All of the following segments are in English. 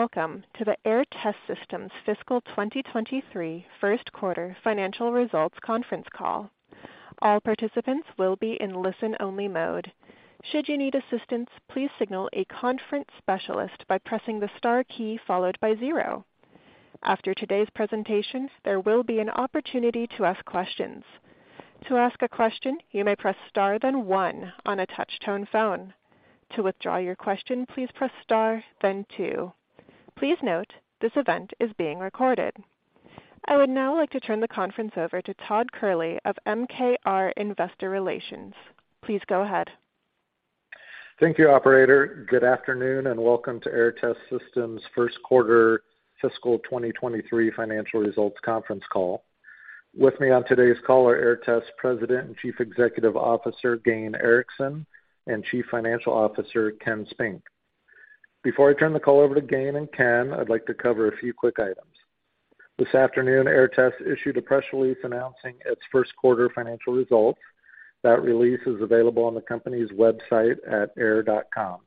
Hello, and welcome to the Aehr Test Systems Fiscal 2023 First Quarter Financial Results Conference Call. All participants will be in listen-only mode. Should you need assistance, please signal a conference specialist by pressing the star key followed by zero. After today's presentations, there will be an opportunity to ask questions. To ask a question, you may press star then one on a touch-tone phone. To withdraw your question, please press star then two. Please note this event is being recorded. I would now like to turn the conference over to Todd Kehrli of MKR Investor Relations. Please go ahead. Thank you, operator. Good afternoon, and welcome to Aehr Test Systems First Quarter Fiscal 2023 Financial Results Conference Call. With me on today's call are Aehr Test President and Chief Executive Officer, Gayn Erickson, and Chief Financial Officer, Ken Spink. Before I turn the call over to Gayn and Ken, I'd like to cover a few quick items. This afternoon, Aehr Test issued a press release announcing its first quarter financial results. That release is available on the company's website at aehr.com.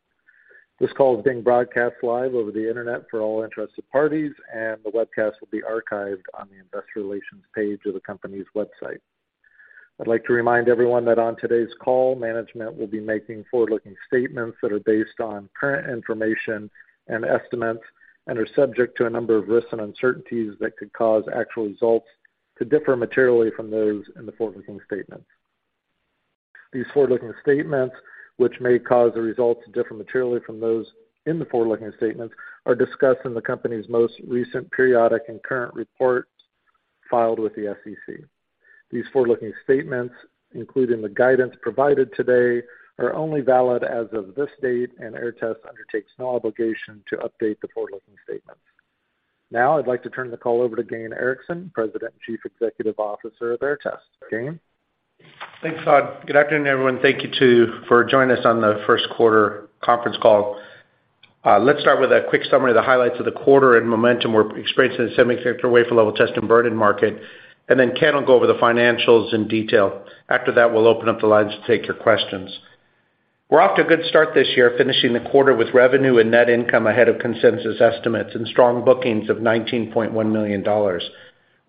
This call is being broadcast live over the Internet for all interested parties, and the webcast will be archived on the investor relations page of the company's website. I'd like to remind everyone that on today's call, management will be making forward-looking statements that are based on current information and estimates and are subject to a number of risks and uncertainties that could cause actual results to differ materially from those in the forward-looking statements. These forward-looking statements, which may cause the results to differ materially from those in the forward-looking statements, are discussed in the company's most recent periodic and current reports filed with the SEC. These forward-looking statements, including the guidance provided today, are only valid as of this date, and Aehr Test undertakes no obligation to update the forward-looking statements. Now I'd like to turn the call over to Gayn Erickson, President and Chief Executive Officer of Aehr Test. Thanks, Todd. Good afternoon, everyone. Thank you for joining us on the first quarter conference call. Let's start with a quick summary of the highlights of the quarter and momentum we're experiencing in the semi sector wafer level test and burn-in market, and then Ken will go over the financials in detail. After that, we'll open up the lines to take your questions. We're off to a good start this year, finishing the quarter with revenue and net income ahead of consensus estimates and strong bookings of $19.1 million.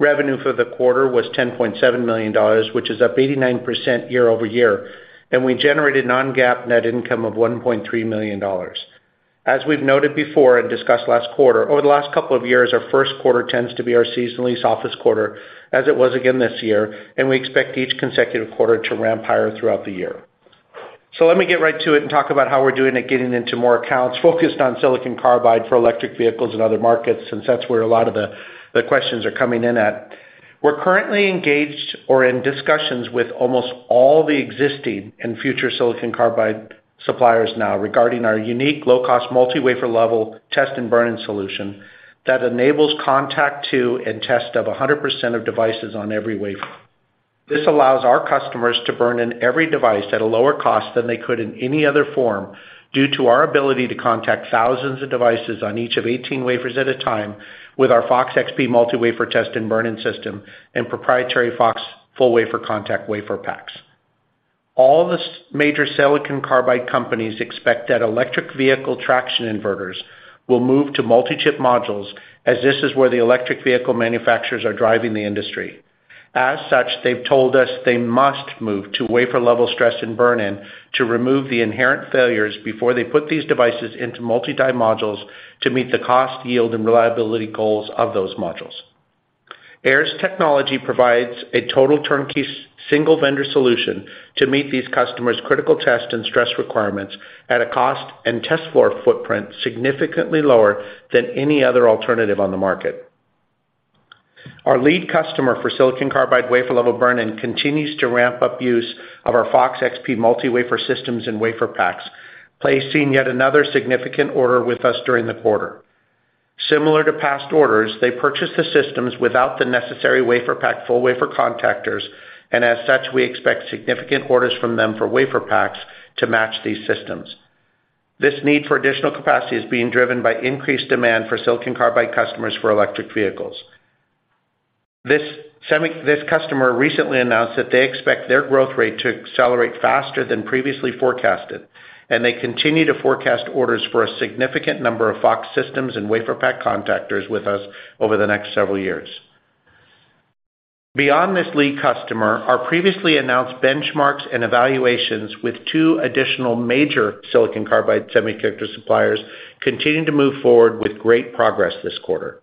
Revenue for the quarter was $10.7 million, which is up 89% year-over-year, and we generated non-GAAP net income of $1.3 million. As we've noted before and discussed last quarter, over the last couple of years, our first quarter tends to be our seasonally softest quarter, as it was again this year, and we expect each consecutive quarter to ramp higher throughout the year. Let me get right to it and talk about how we're doing at getting into more accounts, focused on silicon carbide for electric vehicles and other markets, since that's where a lot of the questions are coming in at. We're currently engaged or in discussions with almost all the existing and future silicon carbide suppliers now regarding our unique low-cost multi-wafer level test and burn-in solution that enables contact to and test of 100% of devices on every wafer. This allows our customers to burn in every device at a lower cost than they could in any other form due to our ability to contact thousands of devices on each of 18 wafers at a time with our FOX-XP multi-wafer test and burn-in system and proprietary FOX WaferPak. All the major silicon carbide companies expect that electric vehicle traction inverters will move to multi-chip modules as this is where the electric vehicle manufacturers are driving the industry. As such, they've told us they must move to wafer level stress and burn-in to remove the inherent failures before they put these devices into multi-die modules to meet the cost, yield, and reliability goals of those modules. Aehr's technology provides a total turnkey single vendor solution to meet these customers' critical test and stress requirements at a cost and test floor footprint significantly lower than any other alternative on the market. Our lead customer for silicon carbide wafer level burn-in continues to ramp up use of our Fox XP multi-wafer systems and wafer packs, placing yet another significant order with us during the quarter. Similar to past orders, they purchased the systems without the necessary wafer pack full wafer contactors, and as such, we expect significant orders from them for wafer packs to match these systems. This need for additional capacity is being driven by increased demand for silicon carbide customers for electric vehicles. This customer recently announced that they expect their growth rate to accelerate faster than previously forecasted, and they continue to forecast orders for a significant number of FOX systems and WaferPak contactors with us over the next several years. Beyond this lead customer, our previously announced benchmarks and evaluations with two additional major silicon carbide semiconductor suppliers continued to move forward with great progress this quarter.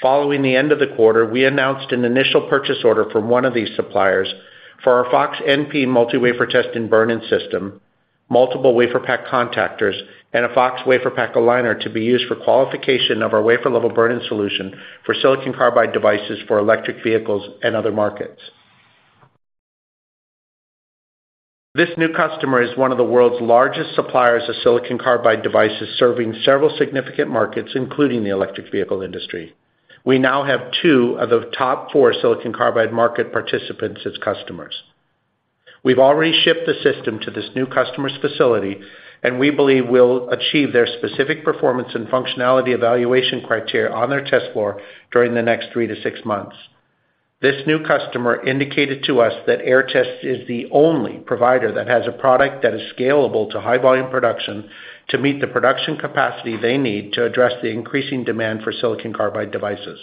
Following the end of the quarter, we announced an initial purchase order from one of these suppliers for our FOX-NP multi-wafer test and burn-in system, multiple WaferPak contactors, and a FOX WaferPak Aligner to be used for qualification of our wafer level burn-in solution for silicon carbide devices for electric vehicles and other markets. This new customer is one of the world's largest suppliers of silicon carbide devices, serving several significant markets, including the electric vehicle industry. We now have two of the top four silicon carbide market participants as customers. We've already shipped the system to this new customer's facility, and we believe we'll achieve their specific performance and functionality evaluation criteria on their test floor during the next three to six months. This new customer indicated to us that Aehr Test is the only provider that has a product that is scalable to high volume production to meet the production capacity they need to address the increasing demand for silicon carbide devices.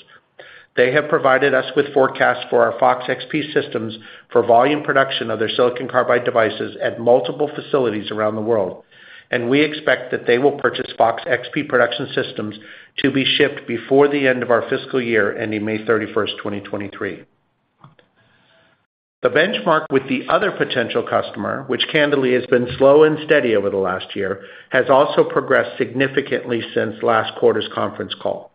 They have provided us with forecasts for our Fox XP systems for volume production of their silicon carbide devices at multiple facilities around the world, and we expect that they will purchase Fox XP production systems to be shipped before the end of our fiscal year, ending May 31st, 2023. The benchmark with the other potential customer, which candidly has been slow and steady over the last year, has also progressed significantly since last quarter's conference call.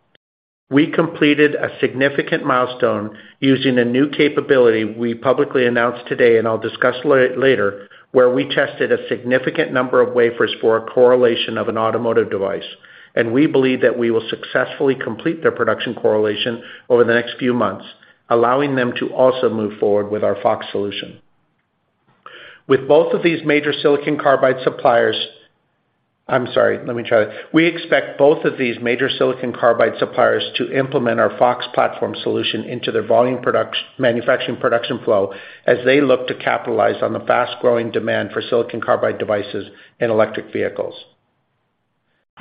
We completed a significant milestone using a new capability we publicly announced today, and I'll discuss later, where we tested a significant number of wafers for a correlation of an automotive device, and we believe that we will successfully complete their production correlation over the next few months, allowing them to also move forward with our FOX solution. We expect both of these major silicon carbide suppliers to implement our FOX platform solution into their volume production manufacturing production flow as they look to capitalize on the fast-growing demand for silicon carbide devices in electric vehicles.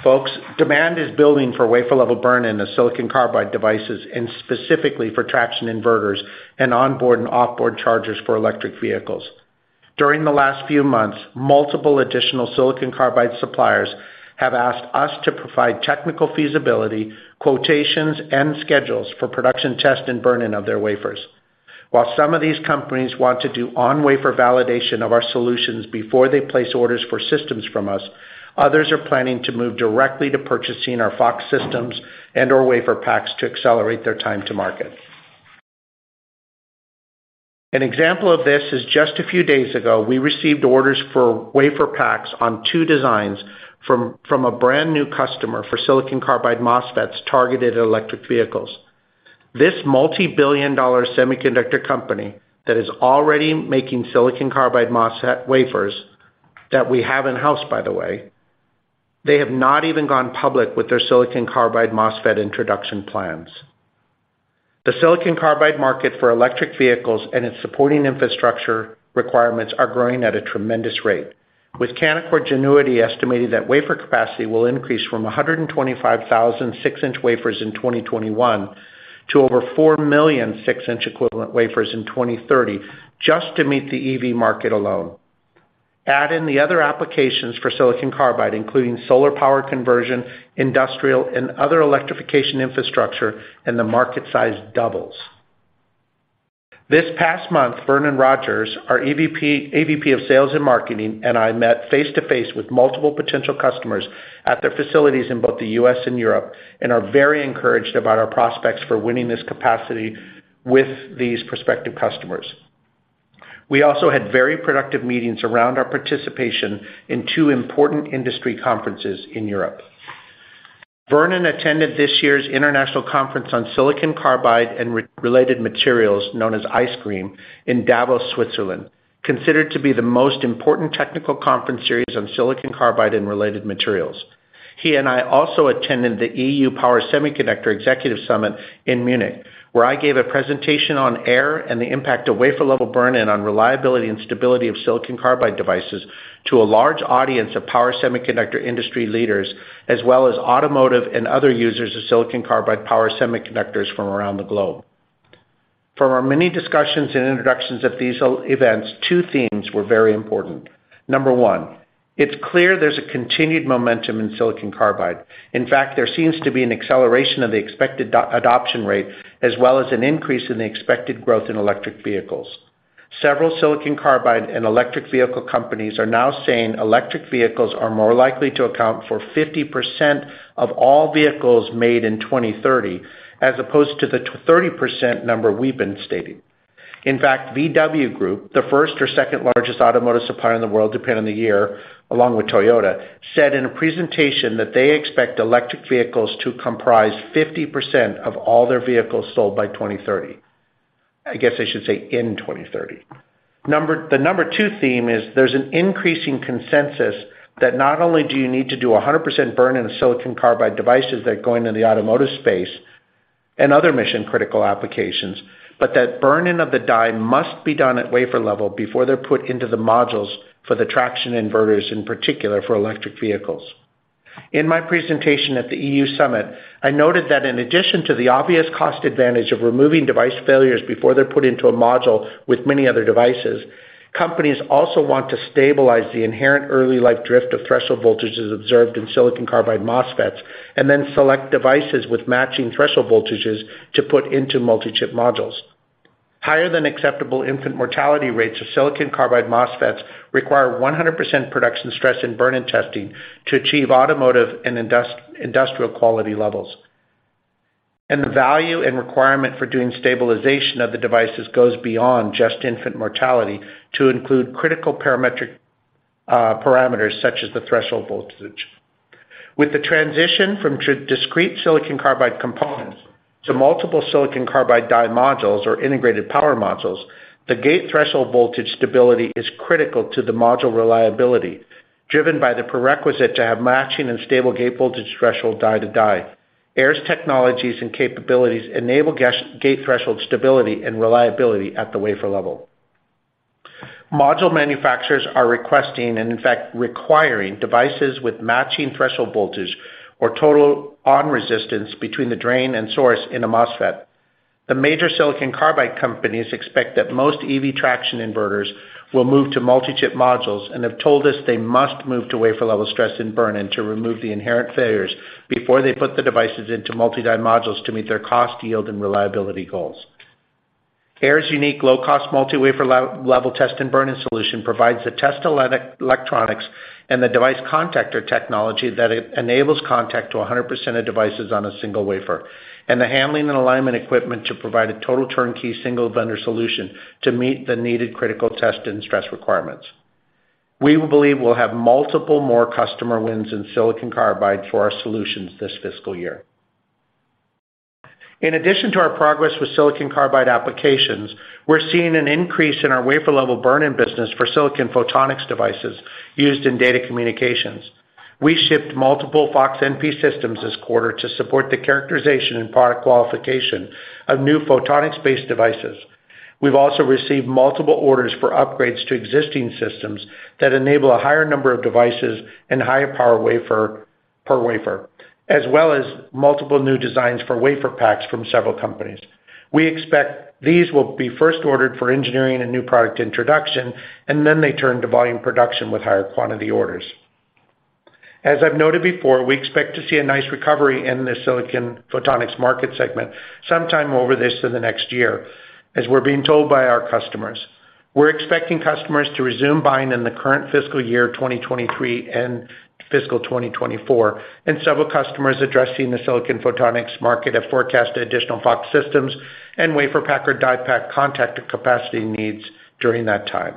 Folks, demand is building for wafer-level burn-in of silicon carbide devices and specifically for traction inverters and onboard and off-board chargers for electric vehicles. During the last few months, multiple additional silicon carbide suppliers have asked us to provide technical feasibility, quotations, and schedules for production test and burn-in of their wafers. While some of these companies want to do on-wafer validation of our solutions before they place orders for systems from us, others are planning to move directly to purchasing our FOX systems and or WaferPaks to accelerate their time to market. An example of this is just a few days ago, we received orders for WaferPaks on two designs from a brand-new customer for silicon carbide MOSFETs targeted at electric vehicles. This multi-billion-dollar semiconductor company that is already making silicon carbide MOSFET wafers that we have in-house, by the way. They have not even gone public with their silicon carbide MOSFET introduction plans. The silicon carbide market for electric vehicles and its supporting infrastructure requirements are growing at a tremendous rate. With Canaccord Genuity estimating that wafer capacity will increase from 125,000 six-inch wafers in 2021 to over 4 million six-inch equivalent wafers in 2030 just to meet the EV market alone. Add in the other applications for silicon carbide, including solar power conversion, industrial, and other electrification infrastructure, and the market size doubles. This past month, Vernon Rogers, our EVP of sales and marketing, and I met face-to-face with multiple potential customers at their facilities in both the U.S. and Europe, and we are very encouraged about our prospects for winning this capacity with these prospective customers. We also had very productive meetings around our participation in two important industry conferences in Europe. Vernon attended this year's International Conference on Silicon Carbide and Related Materials, known as ICSCRM, in Davos, Switzerland, considered to be the most important technical conference series on silicon carbide and related materials. He and I also attended the EU Power Semiconductor Executive Summit in Munich, where I gave a presentation on Aehr and the impact of wafer-level burn-in on reliability and stability of silicon carbide devices to a large audience of power semiconductor industry leaders, as well as automotive and other users of silicon carbide power semiconductors from around the globe. From our many discussions and introductions at these events, two themes were very important. Number one, it's clear there's a continued momentum in silicon carbide. In fact, there seems to be an acceleration of the expected adoption rate, as well as an increase in the expected growth in electric vehicles. Several silicon carbide and electric vehicle companies are now saying electric vehicles are more likely to account for 50% of all vehicles made in 2030, as opposed to the 30% number we've been stating. In fact, VW Group, the first or second largest automotive supplier in the world, depending on the year, along with Toyota, said in a presentation that they expect electric vehicles to comprise 50% of all their vehicles sold by 2030. I guess I should say in 2030. The number two theme is there's an increasing consensus that not only do you need to do 100% burn-in of silicon carbide devices that are going in the automotive space and other mission-critical applications, but that burn-in of the die must be done at wafer level before they're put into the modules for the traction inverters, in particular for electric vehicles. In my presentation at the EU summit, I noted that in addition to the obvious cost advantage of removing device failures before they're put into a module with many other devices, companies also want to stabilize the inherent early life drift of threshold voltages observed in silicon carbide MOSFETs, and then select devices with matching threshold voltages to put into multi-chip modules. Higher than acceptable infant mortality rates of silicon carbide MOSFETs require 100% production stress and burn-in testing to achieve automotive and industrial quality levels. The value and requirement for doing stabilization of the devices goes beyond just infant mortality to include critical parametric parameters such as the threshold voltage. With the transition from discrete silicon carbide components to multiple silicon carbide die modules or integrated power modules, the gate threshold voltage stability is critical to the module reliability. Driven by the prerequisite to have matching and stable gate voltage threshold die to die. Aehr's technologies and capabilities enable gate threshold stability and reliability at the wafer level. Module manufacturers are requesting, and in fact, requiring devices with matching threshold voltage or total on resistance between the drain and source in a MOSFET. The major silicon carbide companies expect that most EV traction inverters will move to multi-chip modules, and have told us they must move to wafer level stress and burn-in to remove the inherent failures before they put the devices into multi-die modules to meet their cost, yield, and reliability goals. Aehr's unique low-cost multi-wafer level test and burn-in solution provides the test electronics and the device contactor technology that enables contact to 100% of devices on a single wafer, and the handling and alignment equipment to provide a total turnkey single vendor solution to meet the needed critical test and stress requirements. We believe we'll have multiple more customer wins in silicon carbide for our solutions this fiscal year. In addition to our progress with silicon carbide applications, we're seeing an increase in our wafer level burn-in business for silicon photonics devices used in data communications. We shipped multiple Fox NP systems this quarter to support the characterization and product qualification of new photonics-based devices. We've also received multiple orders for upgrades to existing systems that enable a higher number of devices and higher power per wafer, as well as multiple new designs for wafer packs from several companies. We expect these will be first ordered for engineering and new product introduction, and then they turn to volume production with higher quantity orders. As I've noted before, we expect to see a nice recovery in the silicon photonics market segment sometime over this to the next year, as we're being told by our customers. We're expecting customers to resume buying in the current fiscal year 2023 and fiscal 2024, and several customers addressing the silicon photonics market have forecasted additional FOX systems and WaferPak, DiePak contactor capacity needs during that time.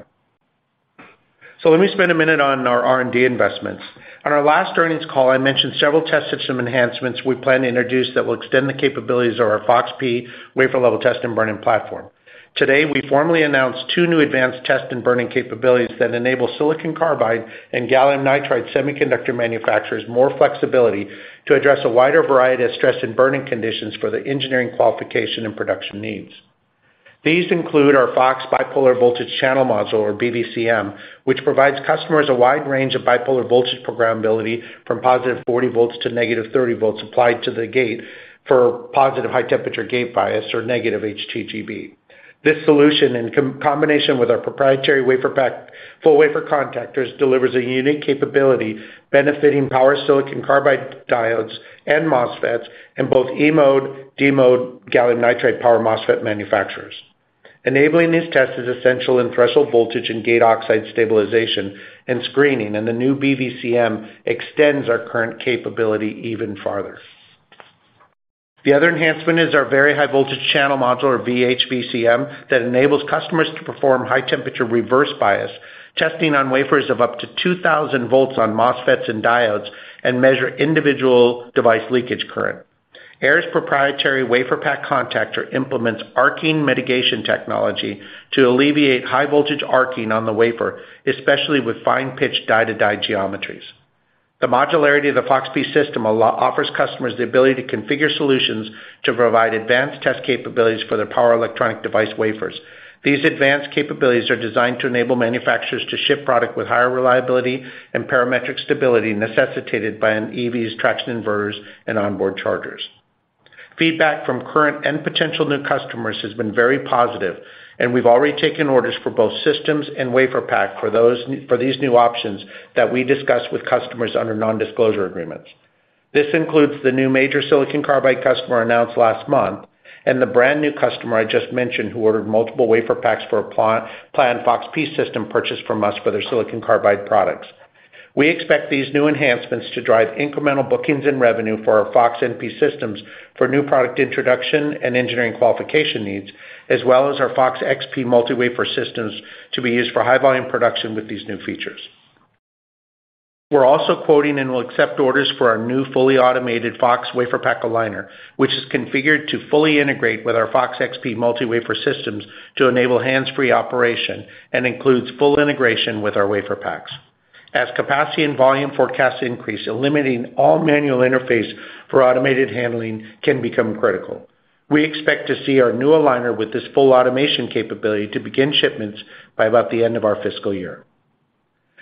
Let me spend a minute on our R&D investments. On our last earnings call, I mentioned several test system enhancements we plan to introduce that will extend the capabilities of our FOX-P wafer-level test and burn-in platform. Today, we formally announced two new advanced test and burn-in capabilities that enable silicon carbide and gallium nitride semiconductor manufacturers more flexibility to address a wider variety of stress and burn-in conditions for the engineering qualification and production needs. These include our FOX Bipolar Voltage Channel Module or BVCM, which provides customers a wide range of bipolar voltage programmability from positive 40 volts to negative 30 volts applied to the gate for positive high temperature gate bias or negative HTGB. This solution, in combination with our proprietary WaferPak full wafer contactors, delivers a unique capability benefiting power silicon carbide diodes and MOSFETs in both E-mode, D-mode, gallium nitride power MOSFET manufacturers. Enabling these tests is essential in threshold voltage and gate oxide stabilization and screening, and the new VHVCM extends our current capability even farther. The other enhancement is our very high voltage channel module, or VHVCM, that enables customers to perform high temperature reverse bias testing on wafers of up to 2,000 volts on MOSFETs and diodes, and measure individual device leakage current. Aehr's proprietary WaferPak contactor implements arcing mitigation technology to alleviate high voltage arcing on the wafer, especially with fine pitch die to die geometries. The modularity of the FOX-P system offers customers the ability to configure solutions to provide advanced test capabilities for their power electronic device wafers. These advanced capabilities are designed to enable manufacturers to ship product with higher reliability and parametric stability necessitated by an EV's traction inverters and onboard chargers. Feedback from current and potential new customers has been very positive, and we've already taken orders for both systems and WaferPak for these new options that we discussed with customers under non-disclosure agreements. This includes the new major silicon carbide customer announced last month, and the brand-new customer I just mentioned who ordered multiple WaferPaks for a planned FOX-P system purchase from us for their silicon carbide products. We expect these new enhancements to drive incremental bookings and revenue for our FOX-NP systems for new product introduction and engineering qualification needs, as well as our FOX-XP multi-wafer systems to be used for high volume production with these new features. We're also quoting and will accept orders for our new fully automated FOX WaferPak Aligner, which is configured to fully integrate with our FOX-XP multi-wafer systems to enable hands-free operation, and includes full integration with our WaferPaks. As capacity and volume forecasts increase, eliminating all manual interface for automated handling can become critical. We expect to see our new aligner with this full automation capability to begin shipments by about the end of our fiscal year.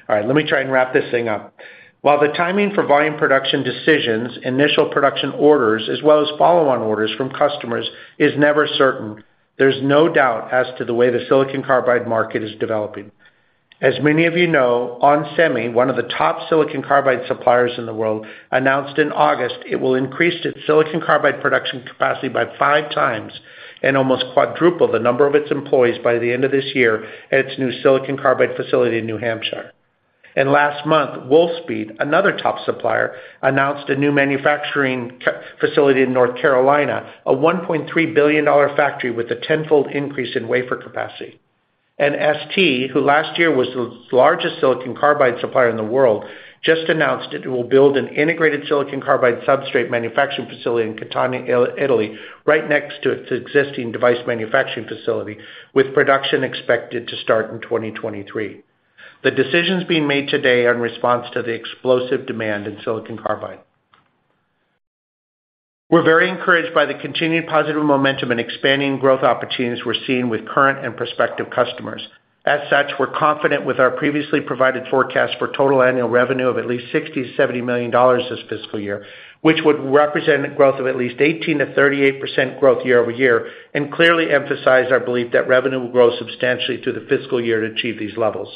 All right, let me try and wrap this thing up. While the timing for volume production decisions, initial production orders, as well as follow-on orders from customers is never certain, there's no doubt as to the way the silicon carbide market is developing. As many of you know, onsemi, one of the top silicon carbide suppliers in the world, announced in August it will increase its silicon carbide production capacity by five times and almost quadruple the number of its employees by the end of this year at its new silicon carbide facility in New Hampshire. Last month, Wolfspeed, another top supplier, announced a new manufacturing facility in North Carolina, a $1.3 billion factory with a tenfold increase in wafer capacity. ST, who last year was the largest silicon carbide supplier in the world, just announced it will build an integrated silicon carbide substrate manufacturing facility in Catania, Italy, right next to its existing device manufacturing facility, with production expected to start in 2023. The decisions being made today are in response to the explosive demand in silicon carbide. We're very encouraged by the continued positive momentum and expanding growth opportunities we're seeing with current and prospective customers. As such, we're confident with our previously provided forecast for total annual revenue of at least $60 million-$70 million this fiscal year, which would represent a growth of at least 18%-38% growth year over year, and clearly emphasize our belief that revenue will grow substantially through the fiscal year to achieve these levels.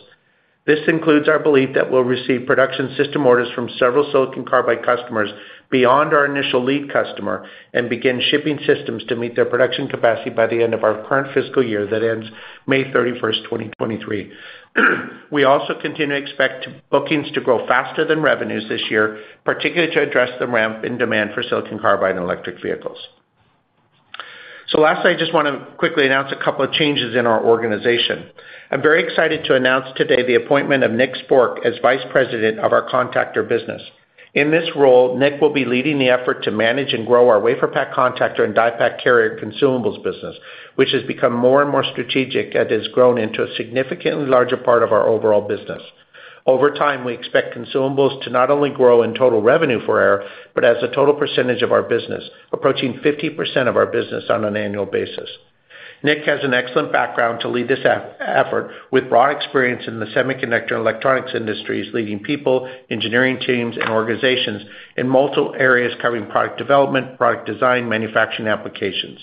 This includes our belief that we'll receive production system orders from several silicon carbide customers beyond our initial lead customer and begin shipping systems to meet their production capacity by the end of our current fiscal year that ends May 31st, 2023. We also continue to expect bookings to grow faster than revenues this year, particularly to address the ramp in demand for silicon carbide and electric vehicles. Lastly, I just want to quickly announce a couple of changes in our organization. I'm very excited to announce today the appointment of Nick Sporck as Vice President of our Contactor business. In this role, Nick will be leading the effort to manage and grow our wafer pack contactor and die pack carrier consumables business, which has become more and more strategic, and has grown into a significantly larger part of our overall business. Over time, we expect consumables to not only grow in total revenue for Aehr, but as a total percentage of our business, approaching 50% of our business on an annual basis. Nick has an excellent background to lead this effort, with broad experience in the semiconductor and electronics industries, leading people, engineering teams, and organizations in multiple areas covering product development, product design, manufacturing applications.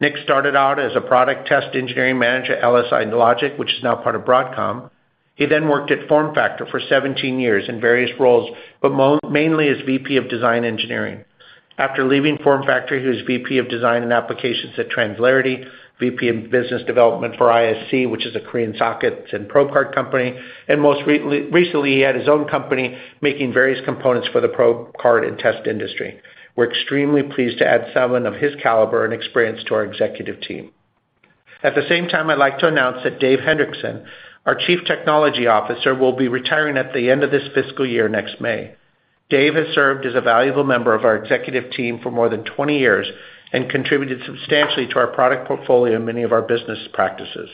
Nick started out as a product test engineering manager at LSI Logic, which is now part of Broadcom. He then worked at FormFactor for 17 years in various roles, but mainly as VP of Design Engineering. After leaving FormFactor, he was VP of Design and Applications at Translarity, VP of Business Development for ISC, which is a Korean sockets and probe card company, and most recently, he had his own company making various components for the probe card and test industry. We're extremely pleased to add someone of his caliber and experience to our executive team. At the same time, I'd like to announce that Dave Hendrickson, our Chief Technology Officer, will be retiring at the end of this fiscal year next May. Dave has served as a valuable member of our executive team for more than 20 years and contributed substantially to our product portfolio and many of our business practices.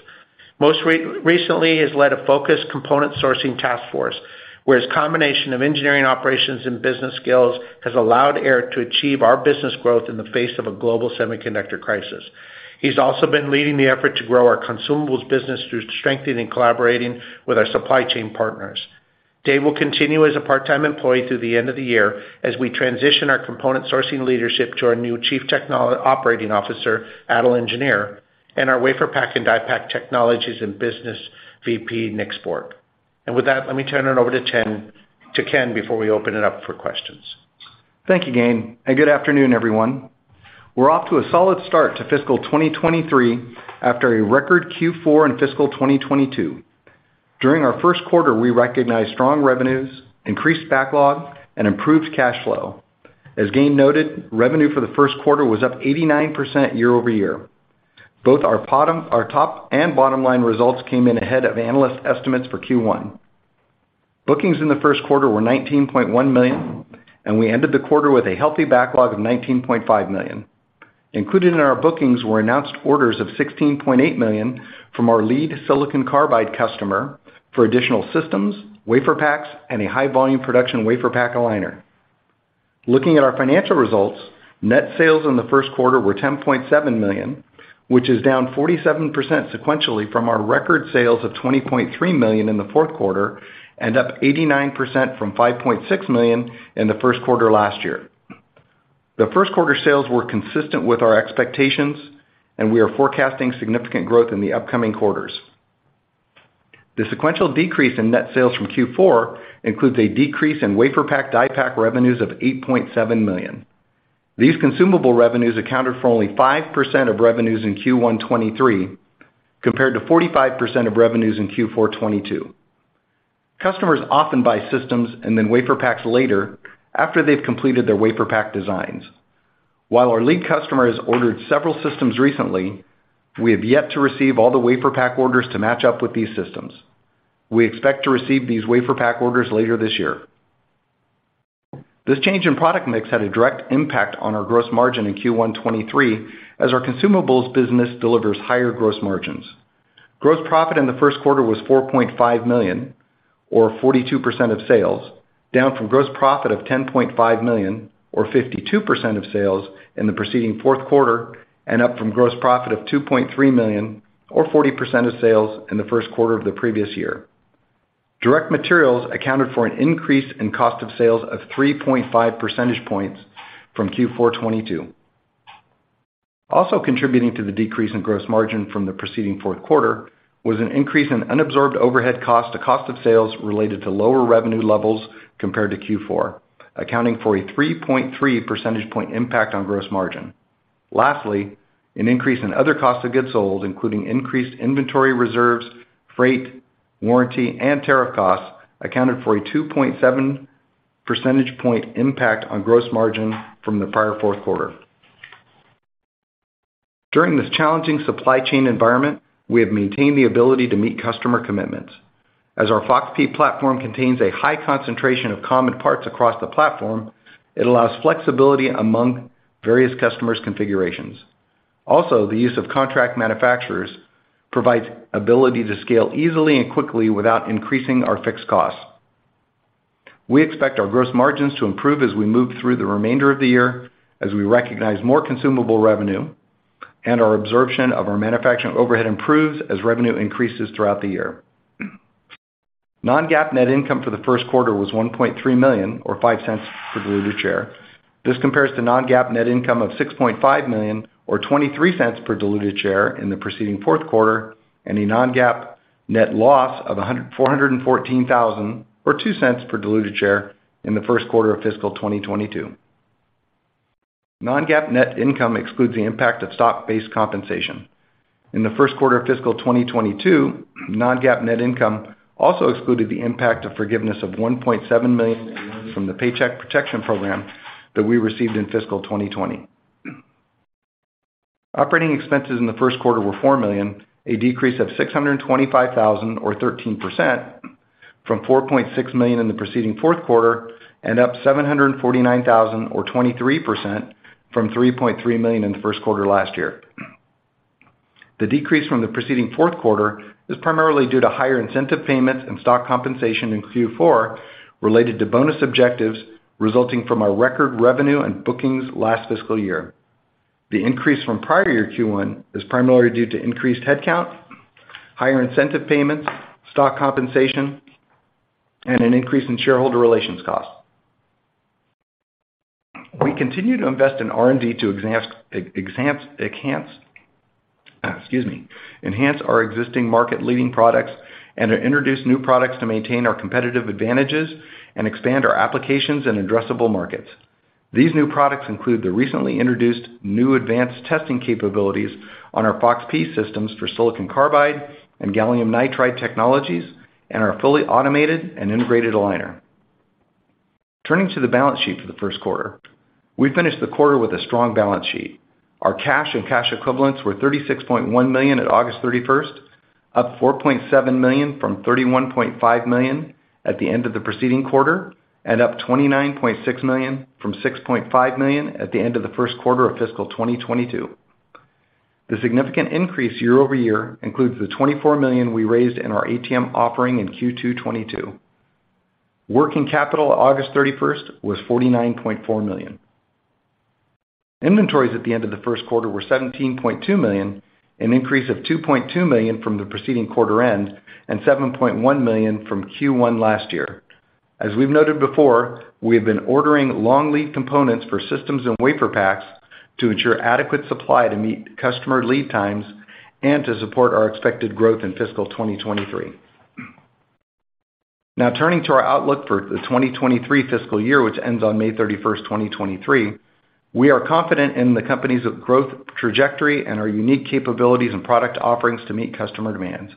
Most recently, he has led a focused component sourcing task force, where his combination of engineering operations and business skills has allowed Aehr to achieve our business growth in the face of a global semiconductor crisis. He's also been leading the effort to grow our consumables business through strengthening and collaborating with our supply chain partners. Dave will continue as a part-time employee through the end of the year as we transition our component sourcing leadership to our new Chief Operating Officer, Adil Engineer, and our WaferPak and DiePak technologies and business VP, Nick Sporck. With that, let me turn it over to Ken before we open it up for questions. Thank you, Gayn, and good afternoon, everyone. We're off to a solid start to fiscal 2023 after a record Q4 in fiscal 2022. During our first quarter, we recognized strong revenues, increased backlog, and improved cash flow. As Gayn noted, revenue for the first quarter was up 89% year-over-year. Both our top and bottom line results came in ahead of analyst estimates for Q1. Bookings in the first quarter were $19.1 million, and we ended the quarter with a healthy backlog of $19.5 million. Included in our bookings were announced orders of $16.8 million from our lead silicon carbide customer for additional systems, WaferPaks, and a high-volume production WaferPak aligner. Looking at our financial results, net sales in the first quarter were $10.7 million, which is down 47% sequentially from our record sales of $20.3 million in the fourth quarter and up 89% from $5.6 million in the first quarter last year. The first quarter sales were consistent with our expectations, and we are forecasting significant growth in the upcoming quarters. The sequential decrease in net sales from Q4 includes a decrease in WaferPak DiePak revenues of $8.7 million. These consumable revenues accounted for only 5% of revenues in Q1 2023, compared to 45% of revenues in Q4 2022. Customers often buy systems and then WaferPaks later after they've completed their WaferPak designs. While our lead customer has ordered several systems recently, we have yet to receive all the WaferPak orders to match up with these systems. We expect to receive these WaferPak orders later this year. This change in product mix had a direct impact on our gross margin in Q1 2023, as our consumables business delivers higher gross margins. Gross profit in the first quarter was $4.5 million or 42% of sales, down from gross profit of $10.5 million or 52% of sales in the preceding fourth quarter, and up from gross profit of $2.3 million or 40% of sales in the first quarter of the previous year. Direct materials accounted for an increase in cost of sales of 3.5 percentage points from Q4 2022. Contributing to the decrease in gross margin from the preceding fourth quarter was an increase in unabsorbed overhead cost to cost of sales related to lower revenue levels compared to Q4, accounting for a 3.3 percentage point impact on gross margin. Lastly, an increase in other cost of goods sold, including increased inventory reserves, freight, warranty, and tariff costs accounted for a 2.7 percentage point impact on gross margin from the prior fourth quarter. During this challenging supply chain environment, we have maintained the ability to meet customer commitments. As our FOX-P platform contains a high concentration of common parts across the platform, it allows flexibility among various customers' configurations. Also, the use of contract manufacturers provides ability to scale easily and quickly without increasing our fixed costs. We expect our gross margins to improve as we move through the remainder of the year as we recognize more consumable revenue, and our absorption of our manufacturing overhead improves as revenue increases throughout the year. Non-GAAP net income for the first quarter was $1.3 million or $0.05 per diluted share. This compares to non-GAAP net income of $6.5 million or $0.23 per diluted share in the preceding fourth quarter, and a non-GAAP net loss of $414,000 or $0.02 per diluted share in the first quarter of fiscal 2022. Non-GAAP net income excludes the impact of stock-based compensation. In the first quarter of fiscal 2022, non-GAAP net income also excluded the impact of forgiveness of $1.7 million in loans from the Paycheck Protection Program that we received in fiscal 2020. Operating expenses in the first quarter were $4 million, a decrease of $625 thousand or 13% from $4.6 million in the preceding fourth quarter, and up $749 thousand or 23% from $3.3 million in the first quarter last year. The decrease from the preceding fourth quarter is primarily due to higher incentive payments and stock compensation in Q4, related to bonus objectives resulting from our record revenue and bookings last fiscal year. The increase from prior year Q1 is primarily due to increased headcount, higher incentive payments, stock compensation, and an increase in shareholder relations costs. We continue to invest in R&D to enhance our existing market-leading products and to introduce new products to maintain our competitive advantages and expand our applications and addressable markets. These new products include the recently introduced new advanced testing capabilities on our FOX-P systems for silicon carbide and gallium nitride technologies, and our fully automated and integrated aligner. Turning to the balance sheet for the first quarter. We finished the quarter with a strong balance sheet. Our cash and cash equivalents were $36.1 million at August 31st, up $4.7 million from $31.5 million at the end of the preceding quarter, and up $29.6 million from $6.5 million at the end of the first quarter of fiscal 2022. The significant increase year-over-year includes the $24 million we raised in our ATM offering in Q2 2022. Working capital at August 31st was $49.4 million. Inventories at the end of the first quarter were $17.2 million, an increase of $2.2 million from the preceding quarter end, and $7.1 million from Q1 last year. We've noted before, we have been ordering long lead components for systems and wafer packs to ensure adequate supply to meet customer lead times and to support our expected growth in fiscal 2023. Now turning to our outlook for the 2023 fiscal year, which ends on May 31st, 2023. We are confident in the company's growth trajectory and our unique capabilities and product offerings to meet customer demands.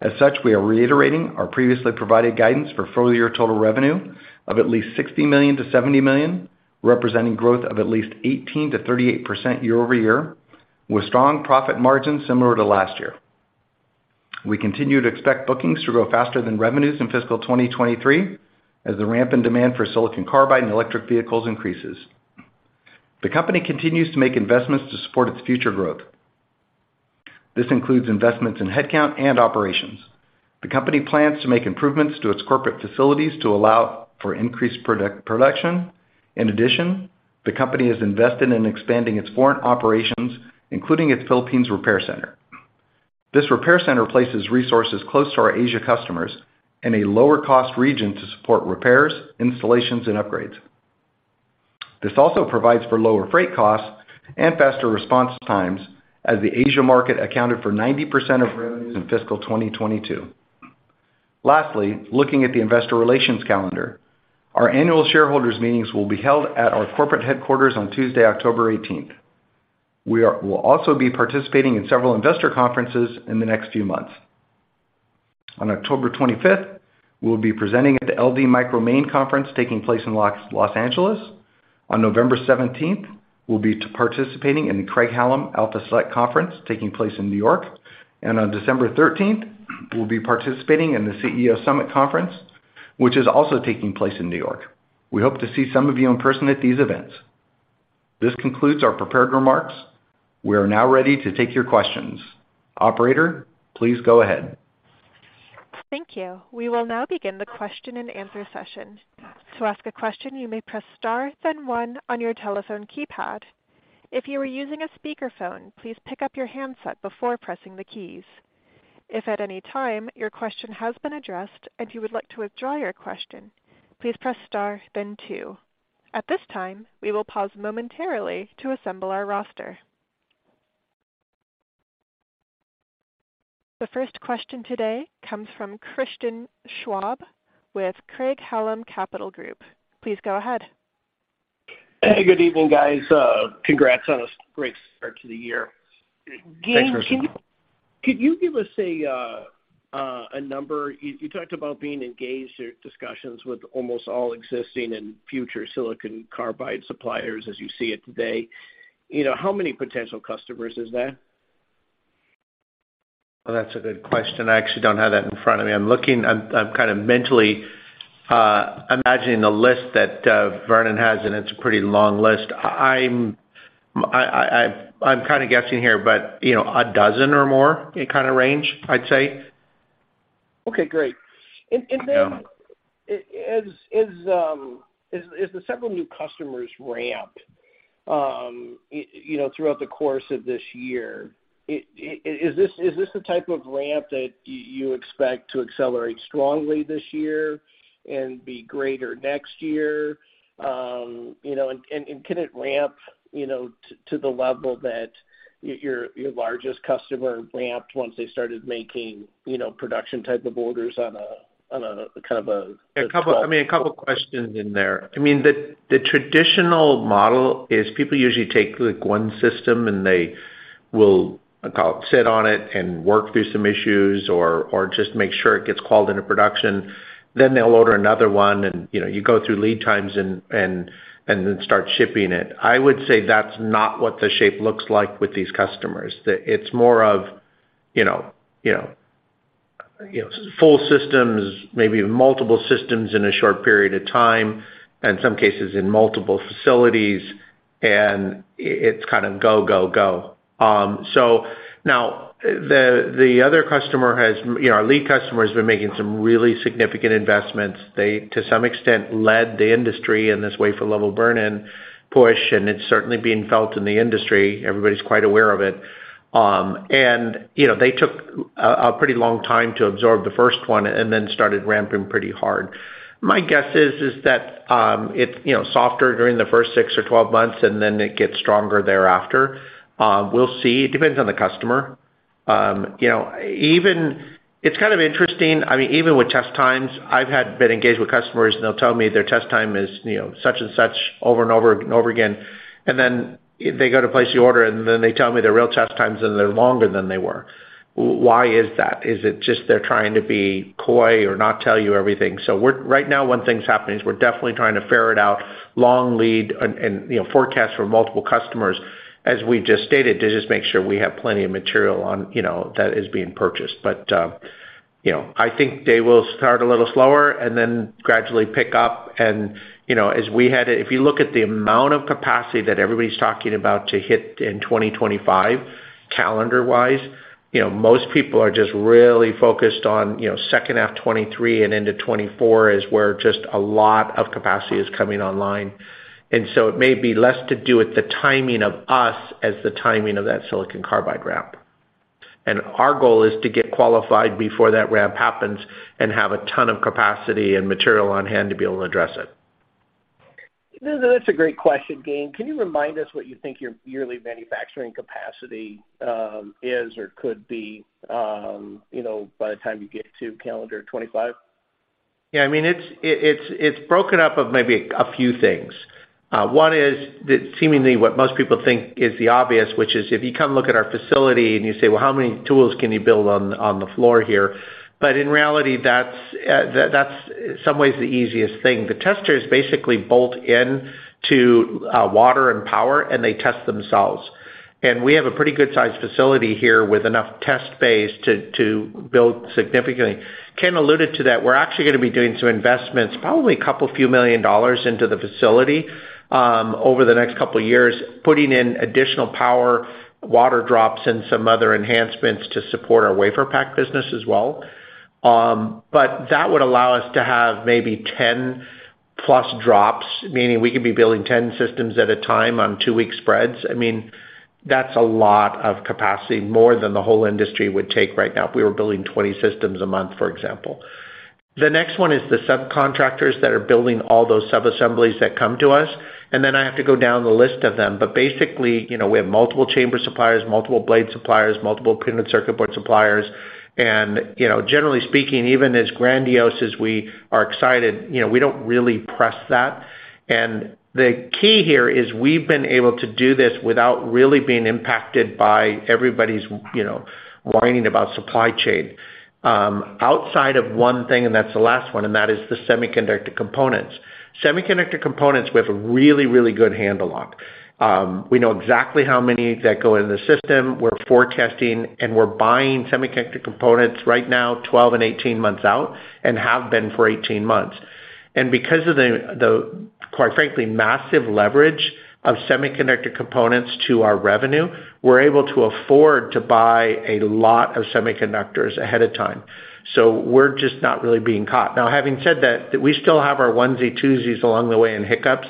As such, we are reiterating our previously provided guidance for full year total revenue of at least $60 million-$70 million, representing growth of at least 18%-38% year-over-year, with strong profit margins similar to last year. We continue to expect bookings to grow faster than revenues in fiscal 2023 as the ramp in demand for silicon carbide and electric vehicles increases. The company continues to make investments to support its future growth. This includes investments in headcount and operations. The company plans to make improvements to its corporate facilities to allow for increased production. In addition, the company has invested in expanding its foreign operations, including its Philippines repair center. This repair center places resources close to our Asia customers in a lower cost region to support repairs, installations, and upgrades. This also provides for lower freight costs and faster response times as the Asia market accounted for 90% of revenues in fiscal 2022. Lastly, looking at the investor relations calendar. Our annual shareholders meetings will be held at our corporate headquarters on Tuesday, October eighteenth. We'll also be participating in several investor conferences in the next few months. On October 25th, we'll be presenting at the LD Micro Main Event taking place in Los Angeles. On November 17th, we'll be participating in the Craig-Hallum Alpha Select Conference taking place in New York. On December 13th, we'll be participating in the CEO Summit Conference, which is also taking place in New York. We hope to see some of you in person at these events. This concludes our prepared remarks. We are now ready to take your questions. Operator, please go ahead. Thank you. We will now begin the question and answer session. To ask a question, you may press star then one on your telephone keypad. If you are using a speaker phone, please pick up your handset before pressing the keys. If at any time your question has been addressed, and you would like to withdraw your question, please press star then two. At this time, we will pause momentarily to assemble our roster. The first question today comes from Christian Schwab with Craig-Hallum Capital Group. Please go ahead. Hey, good evening, guys. Congrats on a great start to the year. Thanks, Christian. Could you give us a number? You talked about being engaged in discussions with almost all existing and future silicon carbide suppliers as you see it today. You know, how many potential customers is that? Well, that's a good question. I actually don't have that in front of me. I'm kind of mentally imagining the list that Vernon has, and it's a pretty long list. I'm kind of guessing here, but you know, a dozen or more kind of range, I'd say. Okay, great. Yeah. Then as the several new customers ramp, you know, throughout the course of this year, is this the type of ramp that you expect to accelerate strongly this year and be greater next year? You know, can it ramp, you know, to the level that your largest customer ramped once they started making, you know, production type of orders on a kind of a... I mean, a couple questions in there. I mean, the traditional model is people usually take, like, one system and they will, I call it, sit on it and work through some issues or just make sure it gets rolled into production. Then they'll order another one and, you know, you go through lead times and then start shipping it. I would say that's not what the shape looks like with these customers. It's more of, you know, several full systems, maybe multiple systems in a short period of time, in some cases, in multiple facilities, and it's kind of go, go. Now the other customer has, you know, our lead customer has been making some really significant investments. They, to some extent, led the industry in this wafer level burn-in push, and it's certainly being felt in the industry. Everybody's quite aware of it. You know, they took a pretty long time to absorb the first one and then started ramping pretty hard. My guess is that it's, you know, softer during the first six or 12 months, and then it gets stronger thereafter. We'll see. It depends on the customer. You know, it's kind of interesting. I mean, even with test times, I've been engaged with customers, and they'll tell me their test time is, you know, such and such over and over and over again. They go to place the order, and then they tell me their real test times, and they're longer than they were. Why is that? Is it just they're trying to be coy or not tell you everything? Right now, one thing's happening is we're definitely trying to ferret out long lead and, you know, forecast for multiple customers, as we just stated, to just make sure we have plenty of material on, you know, that is being purchased. You know, I think they will start a little slower and then gradually pick up. You know, as we had it, if you look at the amount of capacity that everybody's talking about to hit in 2025 calendar wise, you know, most people are just really focused on, you know, second half 2023 and into 2024 is where just a lot of capacity is coming online. It may be less to do with the timing of us as the timing of that silicon carbide ramp. Our goal is to get qualified before that ramp happens and have a ton of capacity and material on hand to be able to address it. No, no, that's a great question, Gayn. Can you remind us what you think your yearly manufacturing capacity is or could be, you know, by the time you get to calendar 2025? Yeah. I mean, it's made up of maybe a few things. One is that seemingly what most people think is the obvious, which is if you come look at our facility and you say, "Well, how many tools can you build on the floor here?" In reality, that's in some ways the easiest thing. The testers basically bolt into water and power, and they test themselves. We have a pretty good-sized facility here with enough test space to build significantly. Ken alluded to that. We're actually gonna be doing some investments, probably $ a couple few million into the facility, over the next couple of years, putting in additional power, water drops, and some other enhancements to support our wafer pack business as well. That would allow us to have maybe 10+ drops, meaning we could be building 10 systems at a time on two-week spreads. I mean, that's a lot of capacity, more than the whole industry would take right now if we were building 20 systems a month, for example. The next one is the subcontractors that are building all those sub-assemblies that come to us, and then I have to go down the list of them. But basically, you know, we have multiple chamber suppliers, multiple blade suppliers, multiple printed circuit board suppliers. You know, generally speaking, even as grandiose as we are excited, you know, we don't really press that. The key here is we've been able to do this without really being impacted by everybody's, you know, whining about supply chain. Outside of one thing, and that's the last one, and that is the semiconductor components. Semiconductor components, we have a really, really good handle on. We know exactly how many that go into the system. We're forecasting, and we're buying semiconductor components right now 12 and 18 months out and have been for 18 months. Because of the quite frankly, massive leverage of semiconductor components to our revenue, we're able to afford to buy a lot of semiconductors ahead of time. We're just not really being caught. Now, having said that, we still have our onesie, twosies along the way and hiccups,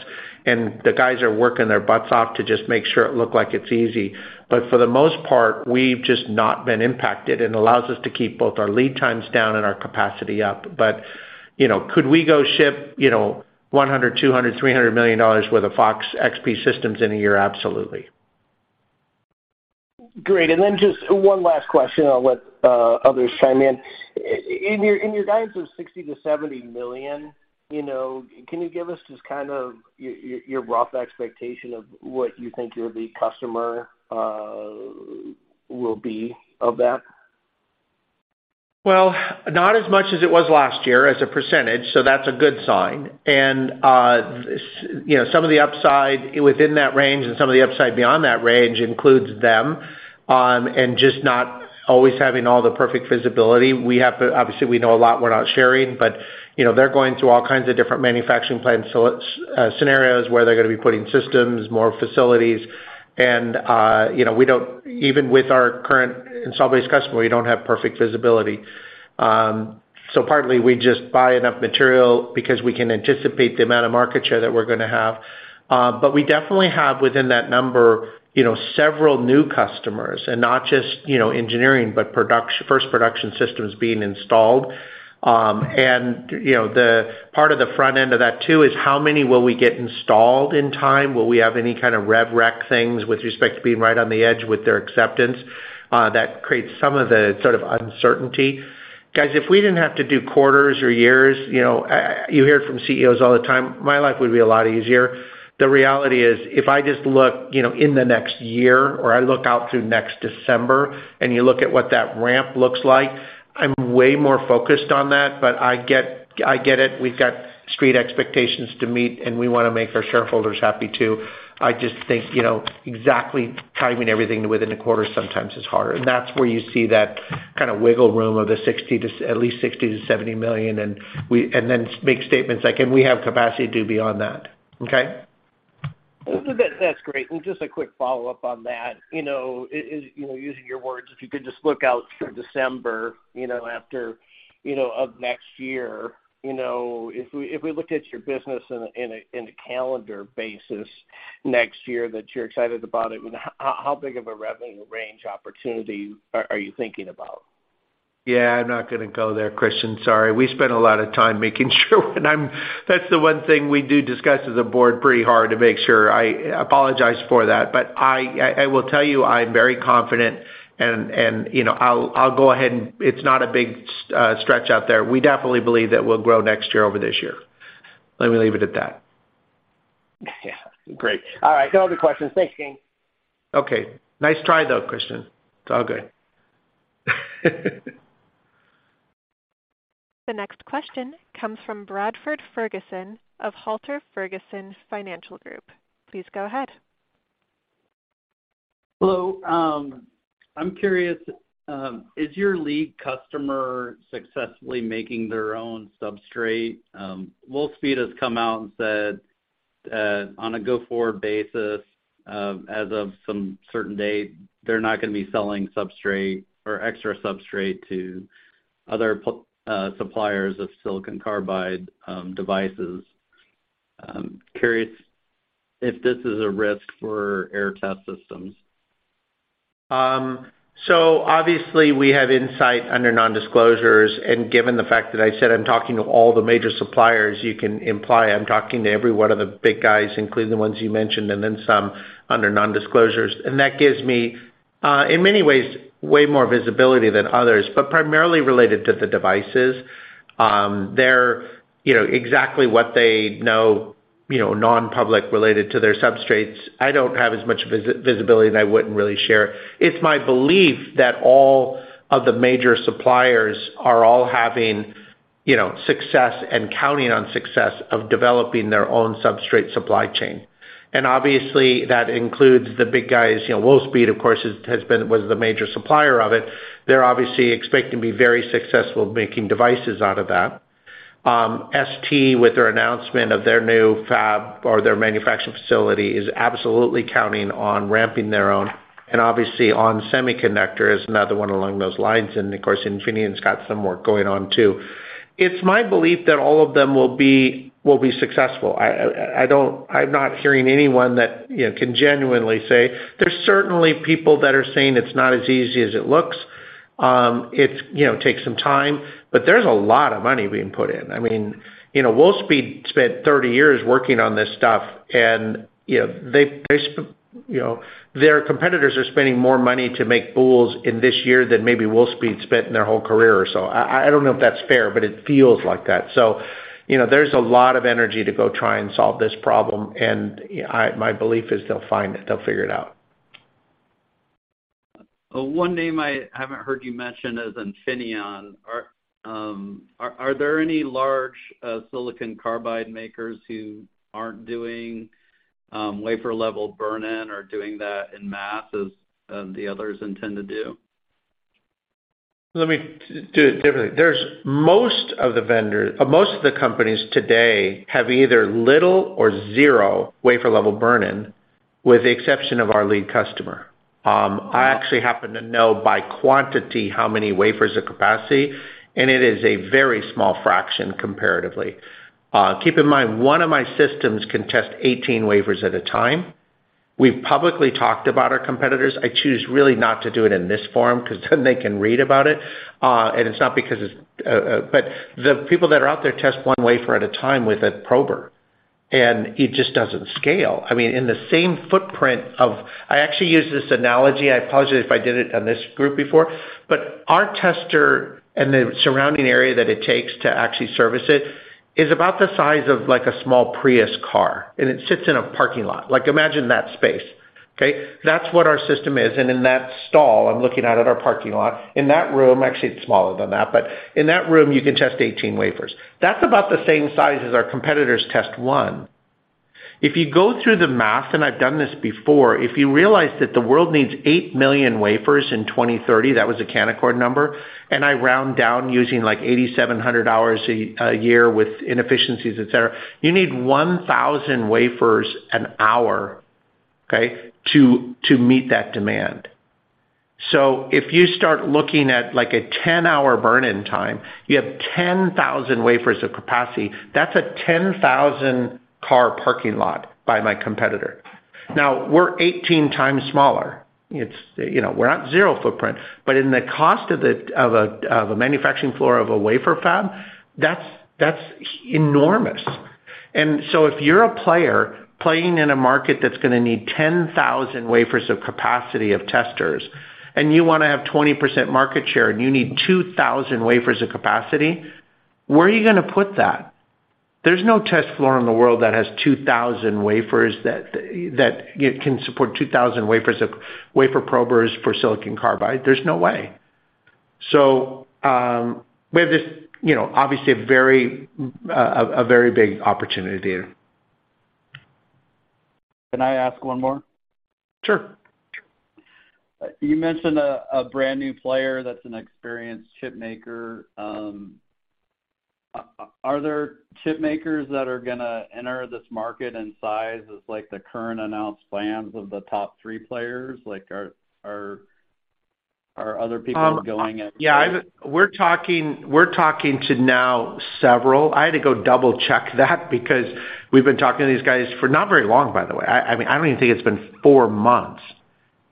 and the guys are working their butts off to just make sure it look like it's easy. For the most part, we've just not been impacted, and it allows us to keep both our lead times down and our capacity up. You know, could we go ship, you know, $100 million, $200 million, $300 million worth of FOX-XP systems in a year? Absolutely. Great. Then just one last question, and I'll let others chime in. In your guidance of $60 million-$70 million, you know, can you give us just kind of your rough expectation of what you think your lead customer will be of that? Well, not as much as it was last year as a percentage, so that's a good sign. You know, some of the upside within that range and some of the upside beyond that range includes them, and just not always having all the perfect visibility. Obviously, we know a lot we're not sharing, but you know, they're going through all kinds of different manufacturing plans, so it's scenarios where they're gonna be putting systems, more facilities, and you know, even with our current installed-base customer, we don't have perfect visibility. Partly we just buy enough material because we can anticipate the amount of market share that we're gonna have. We definitely have within that number, you know, several new customers and not just, you know, engineering, but production-first production systems being installed. You know, the part of the front end of that too is how many will we get installed in time? Will we have any kind of rev rec things with respect to being right on the edge with their acceptance? That creates some of the sort of uncertainty. Guys, if we didn't have to do quarters or years, you know, you hear it from CEOs all the time, my life would be a lot easier. The reality is, if I just look, you know, in the next year or I look out to next December, you look at what that ramp looks like, I'm way more focused on that. But I get it, we've got street expectations to meet, and we wanna make our shareholders happy too. I just think, you know, exactly timing everything within a quarter sometimes is harder. That's where you see that kind of wiggle room of at least $60 million-$70 million, and then we make statements like, we have capacity to be on that. Okay? That's great. Just a quick follow-up on that. You know, using your words, if you could just look out through December, you know, of next year, you know, if we looked at your business on a calendar basis next year that you're excited about it, I mean, how big of a revenue range opportunity are you thinking about? Yeah, I'm not gonna go there, Christian, sorry. We spent a lot of time making sure. That's the one thing we do discuss as a board pretty hard to make sure. I apologize for that. I will tell you, I'm very confident and, you know, I'll go ahead, and it's not a big stretch out there. We definitely believe that we'll grow next year over this year. Let me leave it at that. Great. All right. No other questions. Thanks, Gayn. Okay. Nice try, though, Christian. It's all good. The next question comes from Bradford Ferguson of Halter Ferguson Financial Group. Please go ahead. Hello. I'm curious, is your lead customer successfully making their own substrate? Wolfspeed has come out and said that on a go-forward basis, as of some certain date, they're not gonna be selling substrate or extra substrate to other suppliers of silicon carbide devices. I'm curious if this is a risk for Aehr Test Systems. Obviously we have insight under non-disclosures, and given the fact that I said I'm talking to all the major suppliers, you can imply I'm talking to every one of the big guys, including the ones you mentioned, and then some under non-disclosures. That gives me, in many ways, way more visibility than others, but primarily related to the devices. They're, you know, exactly what they know, you know, non-public related to their substrates. I don't have as much visibility, and I wouldn't really share. It's my belief that all of the major suppliers are all having, you know, success and counting on success of developing their own substrate supply chain. Obviously that includes the big guys. You know, Wolfspeed, of course, has been the major supplier of it. They're obviously expecting to be very successful making devices out of that. ST, with their announcement of their new fab or their manufacturing facility, is absolutely counting on ramping their own. Obviously, onsemi is another one along those lines. Of course, Infineon's got some work going on too. It's my belief that all of them will be successful. I'm not hearing anyone that, you know, can genuinely say. There's certainly people that are saying it's not as easy as it looks. It, you know, takes some time, but there's a lot of money being put in. I mean, you know, Wolfspeed spent 30 years working on this stuff, and you know, their competitors are spending more money to make builds in this year than maybe Wolfspeed spent in their whole career or so. I don't know if that's fair, but it feels like that. You know, there's a lot of energy to go try and solve this problem, and my belief is they'll find it. They'll figure it out. One name I haven't heard you mention is Infineon. Are there any large silicon carbide makers who aren't doing wafer-level burn-in or doing that en masse as the others intend to do? Let me do it differently. Most of the companies today have either little or zero wafer-level burn-in, with the exception of our lead customer. I actually happen to know by quantity how many wafers of capacity, and it is a very small fraction comparatively. Keep in mind, one of my systems can test 18 wafers at a time. We've publicly talked about our competitors. I choose really not to do it in this forum 'cause then they can read about it, and it's not because it's. The people that are out there test one wafer at a time with a prober. It just doesn't scale. I mean, in the same footprint. I actually use this analogy. I apologize if I did it on this group before, but our tester and the surrounding area that it takes to actually service it is about the size of, like, a small Prius car, and it sits in a parking lot. Like, imagine that space, okay? That's what our system is. In that stall I'm looking at at our parking lot, in that room, actually it's smaller than that, but in that room, you can test 18 wafers. That's about the same size as our competitors test one. If you go through the math, and I've done this before, if you realize that the world needs 8 million wafers in 2030, that was a Canaccord number, and I round down using, like, 8,700 hours a year with inefficiencies, et cetera, you need 1,000 wafers an hour, okay, to meet that demand. If you start looking at, like, a 10-hour burn-in time, you have 10,000 wafers of capacity. That's a 10,000 car parking lot by my competitor. Now we're 18 times smaller. It's, you know, we're not zero footprint, but in the cost of the of a manufacturing floor of a wafer fab, that's enormous. If you're a player playing in a market that's gonna need 10,000 wafers of capacity of testers, and you wanna have 20% market share, and you need 2,000 wafers of capacity, where are you gonna put that? There's no test floor in the world that has 2,000 wafers that it can support 2,000 wafers of wafer probers for silicon carbide. There's no way. We have this, you know, obviously a very big opportunity. Can I ask one more? Sure. You mentioned a brand new player that's an experienced chipmaker. Are there chipmakers that are gonna enter this market and size as, like, the current announced plans of the top three players? Like, are other people going in? We're talking to several now. I had to go double-check that because we've been talking to these guys for not very long, by the way. I mean, I don't even think it's been four months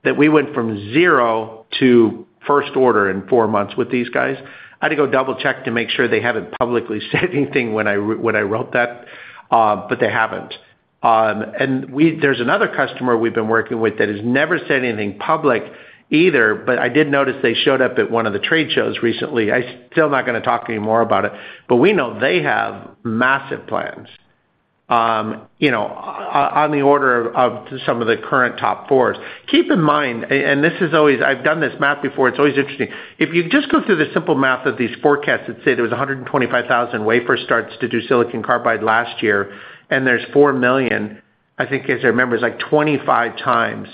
that we went from zero to first order in four months with these guys. I had to go double-check to make sure they haven't publicly said anything when I wrote that, but they haven't. There's another customer we've been working with that has never said anything public either, but I did notice they showed up at one of the trade shows recently. I still not gonna talk any more about it, but we know they have massive plans, you know, on the order of some of the current top fours. Keep in mind, and this is always. I've done this math before, it's always interesting. If you just go through the simple math of these forecasts that say there was 125,000 wafer starts to do silicon carbide last year and there's 4 million, I think as I remember, it's like 25 times.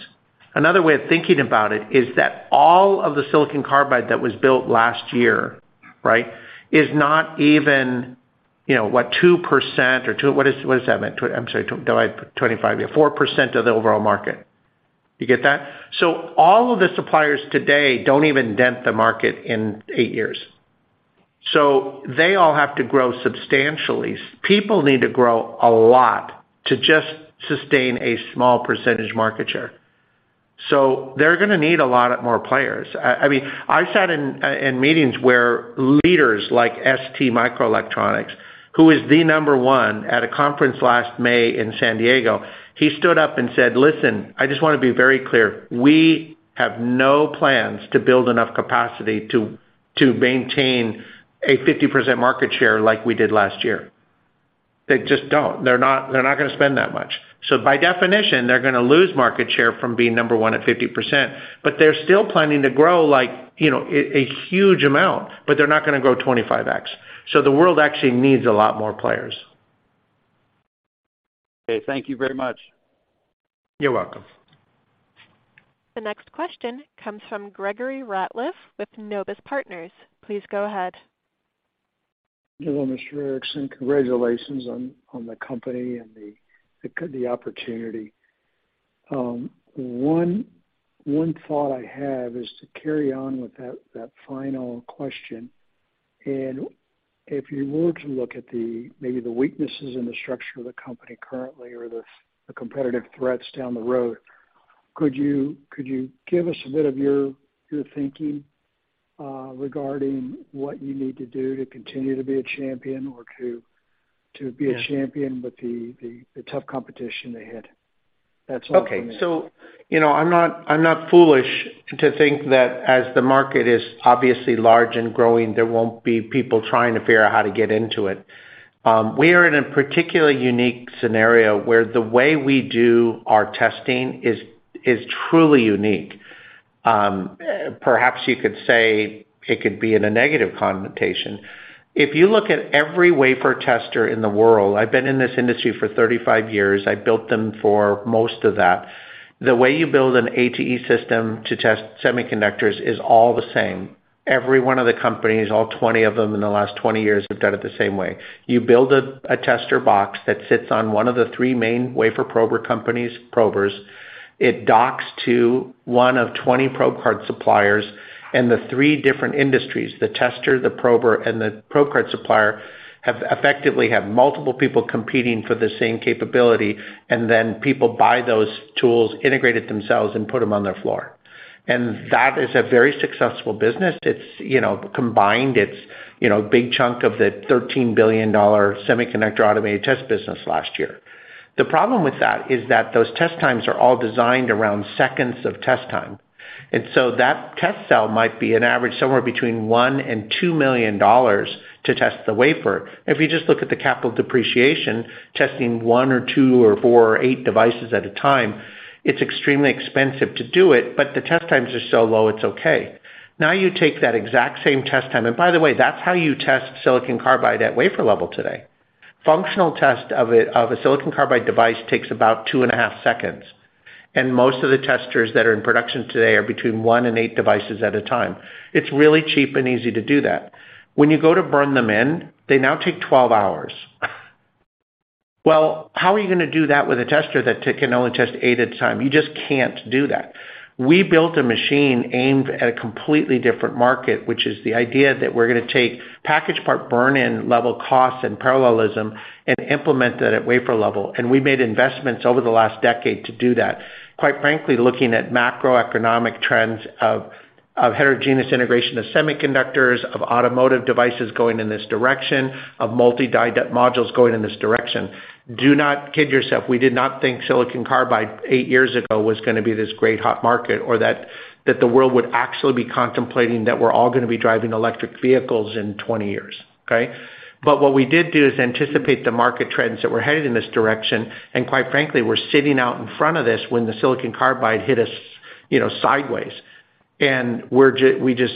Another way of thinking about it is that all of the silicon carbide that was built last year, right? Is not even, you know, what? 2% or 4% of the overall market. You get that? All of the suppliers today don't even dent the market in 8 years. They all have to grow substantially. People need to grow a lot to just sustain a small percentage market share. They're gonna need a lot more players. I mean, I've sat in in meetings where leaders like STMicroelectronics, who is the number one at a conference last May in San Diego, he stood up and said, "Listen, I just wanna be very clear. We have no plans to build enough capacity to maintain a 50% market share like we did last year." They just don't. They're not gonna spend that much. By definition, they're gonna lose market share from being number one at 50%, but they're still planning to grow like, you know, a huge amount, but they're not gonna grow 25x. The world actually needs a lot more players. Okay. Thank you very much. You're welcome. The next question comes from Gregory Ratliff with Nobis Partners. Please go ahead. Hello, Mr. Erickson. Congratulations on the company and the opportunity. One thought I have is to carry on with that final question. If you were to look at maybe the weaknesses in the structure of the company currently or the competitive threats down the road, could you give us a bit of your thinking regarding what you need to do to continue to be a champion or to be? Yeah A champion with the tough competition ahead? That's all for me. Okay. You know, I'm not foolish to think that as the market is obviously large and growing, there won't be people trying to figure out how to get into it. We are in a particularly unique scenario where the way we do our testing is truly unique. Perhaps you could say it could be in a negative connotation. If you look at every wafer tester in the world, I've been in this industry for 35 years, I built them for most of that. The way you build an ATE system to test semiconductors is all the same. Every one of the companies, all 20 of them in the last 20 years have done it the same way. You build a tester box that sits on one of the three main wafer prober companies' probers. It docks to one of 20 probe card suppliers. The three different industries, the tester, the prober, and the probe card supplier, have effectively multiple people competing for the same capability, and then people buy those tools, integrate it themselves, and put them on their floor. That is a very successful business. It's, you know, combined, it's, you know, a big chunk of the $13 billion semiconductor automated test business last year. The problem with that is that those test times are all designed around seconds of test time. That test cell might be an average somewhere between $1 million and $2 million to test the wafer. If you just look at the capital depreciation, testing one or two or four or eight devices at a time, it's extremely expensive to do it, but the test times are so low, it's okay. Now you take that exact same test time. By the way, that's how you test silicon carbide at wafer level today. Functional test of a silicon carbide device takes about two and a half seconds, and most of the testers that are in production today are between one and eight devices at a time. It's really cheap and easy to do that. When you go to burn them in, they now take 12 hours. Well, how are you gonna do that with a tester that can only test eight at a time? You just can't do that. We built a machine aimed at a completely different market, which is the idea that we're gonna take package part burn-in level costs and parallelism and implement that at wafer level. We made investments over the last decade to do that, quite frankly, looking at macroeconomic trends of heterogeneous integration of semiconductors, of automotive devices going in this direction, of multi-die modules going in this direction. Do not kid yourself. We did not think silicon carbide eight years ago was gonna be this great hot market, or that the world would actually be contemplating that we're all gonna be driving electric vehicles in 20 years. Okay. What we did do is anticipate the market trends that we're headed in this direction, and quite frankly, we're sitting out in front of this when the silicon carbide hit us, you know, sideways. We're just,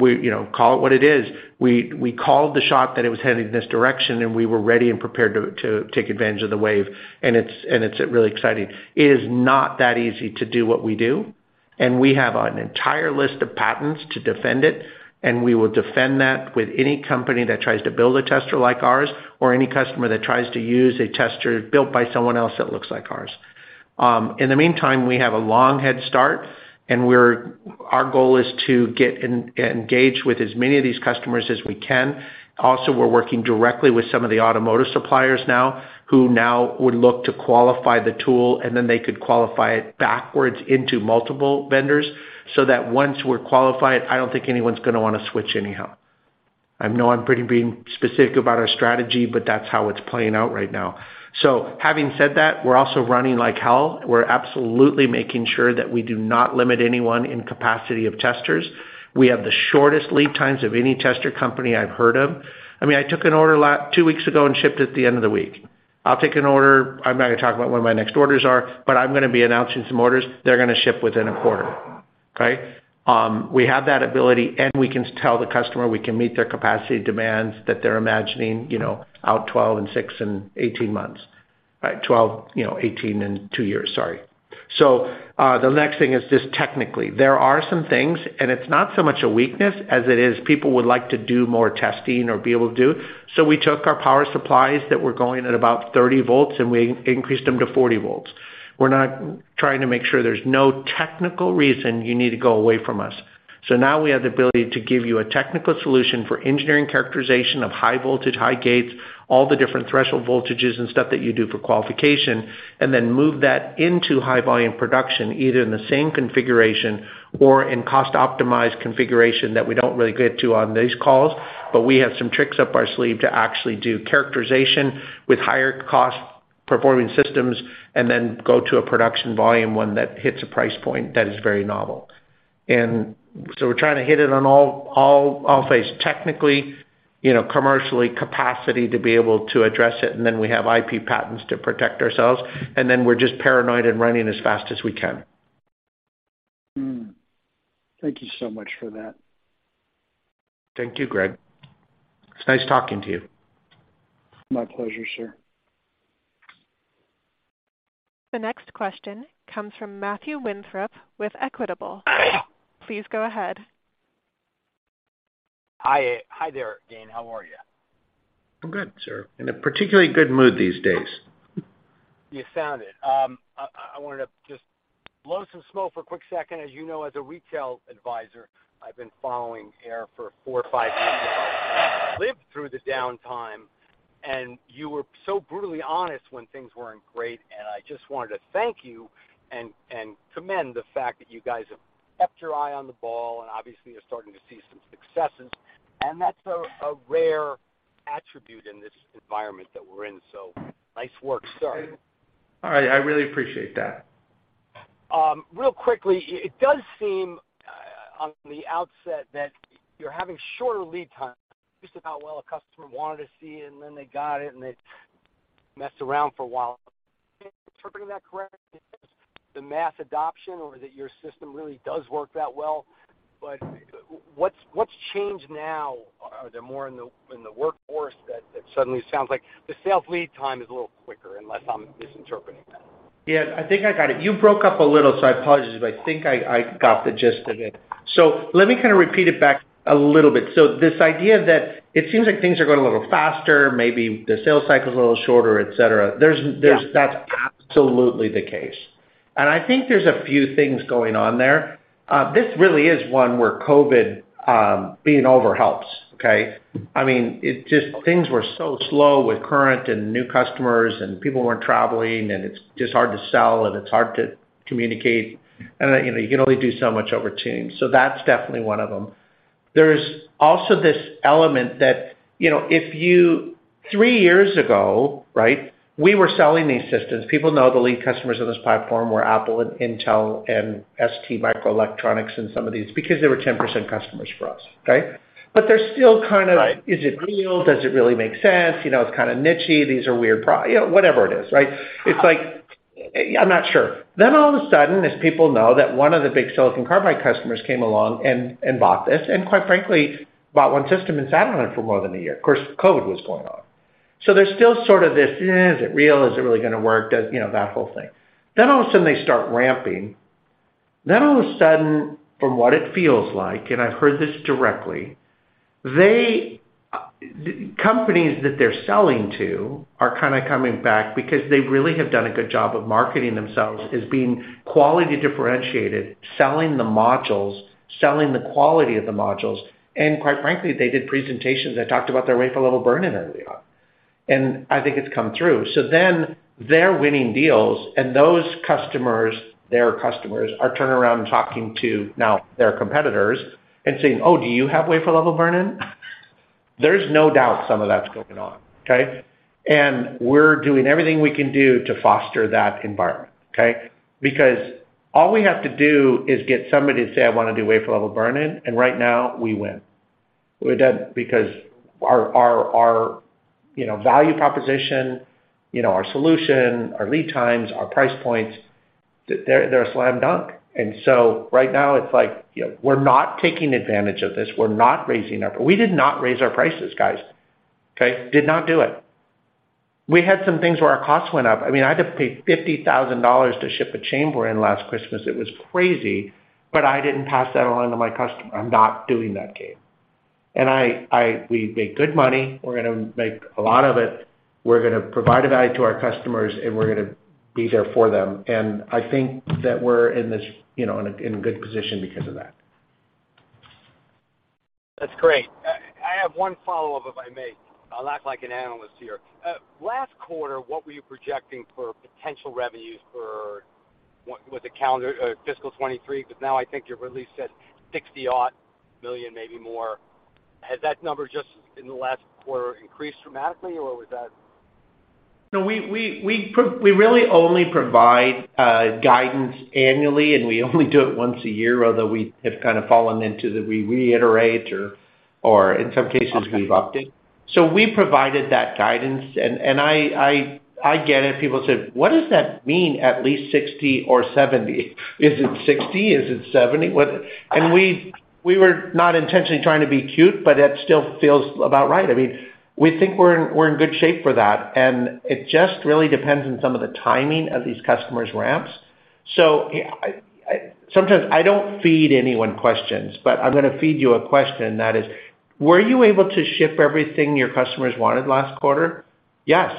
you know, call it what it is. We called the shot that it was headed in this direction, and we were ready and prepared to take advantage of the wave. It's really exciting. It is not that easy to do what we do, and we have an entire list of patents to defend it, and we will defend that with any company that tries to build a tester like ours or any customer that tries to use a tester built by someone else that looks like ours. In the meantime, we have a long head start, and our goal is to get engaged with as many of these customers as we can. Also, we're working directly with some of the automotive suppliers now, who now would look to qualify the tool, and then they could qualify it backwards into multiple vendors so that once we're qualified, I don't think anyone's gonna wanna switch anyhow. I know I'm being pretty specific about our strategy, but that's how it's playing out right now. Having said that, we're also running like hell. We're absolutely making sure that we do not limit anyone in capacity of testers. We have the shortest lead times of any tester company I've heard of. I mean, I took an order two weeks ago and shipped at the end of the week. I'll take an order. I'm not gonna talk about when my next orders are, but I'm gonna be announcing some orders. They're gonna ship within a quarter. Okay? We have that ability, and we can tell the customer we can meet their capacity demands that they're imagining, you know, out 12 and six and 18 months. Right, 12, you know, 18 and two years. Sorry. The next thing is just technically. There are some things, and it's not so much a weakness as it is people would like to do more testing or be able to do. We took our power supplies that were going at about 30 volts, and we increased them to 40 volts. We're now trying to make sure there's no technical reason you need to go away from us. Now we have the ability to give you a technical solution for engineering characterization of high voltage, high gates, all the different threshold voltages and stuff that you do for qualification, and then move that into high volume production, either in the same configuration or in cost optimized configuration that we don't really get to on these calls. We have some tricks up our sleeve to actually do characterization with higher cost performing systems and then go to a production volume, one that hits a price point that is very novel. We're trying to hit it on all phase, technically, you know, commercially, capacity to be able to address it. We have IP patents to protect ourselves, and then we're just paranoid and running as fast as we can. Thank you so much for that. Thank you, Greg. It's nice talking to you. My pleasure, sir. The next question comes from Matthew Winthrop with Equitable. Please go ahead. Hi. Hi there, Gayn. How are you? I'm good, sir. In a particularly good mood these days. You sound it. I wanted to just blow some smoke for a quick second. As you know, as a retail advisor, I've been following Aehr for four or five years now. Lived through the downtime, and you were so brutally honest when things weren't great, and I just wanted to thank you and commend the fact that you guys have kept your eye on the ball and obviously you're starting to see some successes. That's a rare attribute in this environment that we're in. Nice work. Sorry. All right. I really appreciate that. Real quickly, it does seem on the outset that you're having shorter lead times, just about, well, a customer wanted to see and then they got it and they messed around for a while. Am I interpreting that correctly? The mass adoption or that your system really does work that well, but what's changed now? Are there more in the workforce that it suddenly sounds like the sales lead time is a little quicker, unless I'm misinterpreting that. Yeah, I think I got it. You broke up a little, so I apologize, but I think I got the gist of it. Let me kind of repeat it back a little bit. This idea that it seems like things are going a little faster, maybe the sales cycle is a little shorter, et cetera. There's Yeah. That's absolutely the case. I think there's a few things going on there. This really is one where COVID being over helps. I mean, it just, things were so slow with current and new customers and people weren't traveling, and it's just hard to sell and it's hard to communicate. You know, you can only do so much over Zoom. That's definitely one of them. There's also this element that, you know, three years ago, right, we were selling these systems. People know the lead customers on this platform were Apple and Intel and STMicroelectronics and some of these because they were 10% customers for us. But they're still kind of- Right. Is it real? Does it really make sense? You know, it's kind of niche-y. You know, whatever it is, right? It's like, I'm not sure. Then all of a sudden, as people know, that one of the big silicon carbide customers came along and bought this and, quite frankly, bought one system and sat on it for more than a year. Of course, COVID was going on. So there's still sort of this, is it real? Is it really gonna work? Does. You know, that whole thing. Then all of a sudden they start ramping. All of a sudden, from what it feels like, and I've heard this directly, they, companies that they're selling to are kind of coming back because they really have done a good job of marketing themselves as being quality differentiated, selling the modules, selling the quality of the modules. Quite frankly, they did presentations that talked about their wafer level burn-in early on, and I think it's come through. Then they're winning deals, and those customers, their customers, are turning around and talking to now their competitors and saying, "Oh, do you have wafer level burn-in?" There's no doubt some of that's going on, okay? We're doing everything we can do to foster that environment, okay? Because all we have to do is get somebody to say, "I wanna do wafer level burn-in," and right now we win. We're done because our value proposition, you know, our solution, our lead times, our price points, they're a slam dunk. Right now it's like, you know, we're not taking advantage of this. We're not raising our prices. We did not raise our prices, guys, okay? Did not do it. We had some things where our costs went up. I mean, I had to pay $50,000 to ship a chamber in last Christmas. It was crazy, but I didn't pass that along to my customer. I'm not doing that, Gabe. We make good money. We're gonna make a lot of it. We're gonna provide a value to our customers, and we're gonna be there for them. I think that we're in this, you know, in a good position because of that. That's great. I have one follow-up, if I may. I'll act like an analyst here. Last quarter, what were you projecting for potential revenues for what the calendar fiscal 2023? Because now I think you've released that $60-odd million, maybe more. Has that number just in the last quarter increased dramatically, or was that? No, we really only provide guidance annually, and we only do it once a year, although we have kind of fallen into the we reiterate or in some cases we've updated. We provided that guidance and I get it. People said, "What does that mean, at least 60 or 70? Is it 60? Is it 70? What?" We were not intentionally trying to be cute, but it still feels about right. I mean, we think we're in good shape for that, and it just really depends on some of the timing of these customers' ramps. Sometimes I don't feed anyone questions, but I'm gonna feed you a question, and that is, were you able to ship everything your customers wanted last quarter? Yes.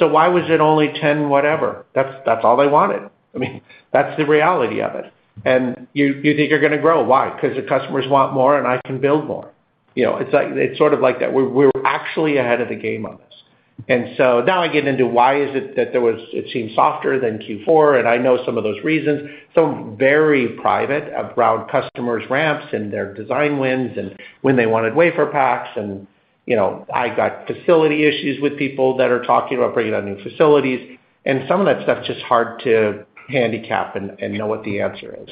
Why was it only 10 whatever? That's all they wanted. I mean, that's the reality of it. You think you're gonna grow. Why? 'Cause the customers want more, and I can build more. You know, it's like, it's sort of like that. We're actually ahead of the game on this. Now I get into why is it that it seemed softer than Q4, and I know some of those reasons. Some very private around customers' ramps and their design wins and when they wanted WaferPaks and, you know, I got facility issues with people that are talking about bringing on new facilities, and some of that stuff's just hard to handicap and know what the answer is.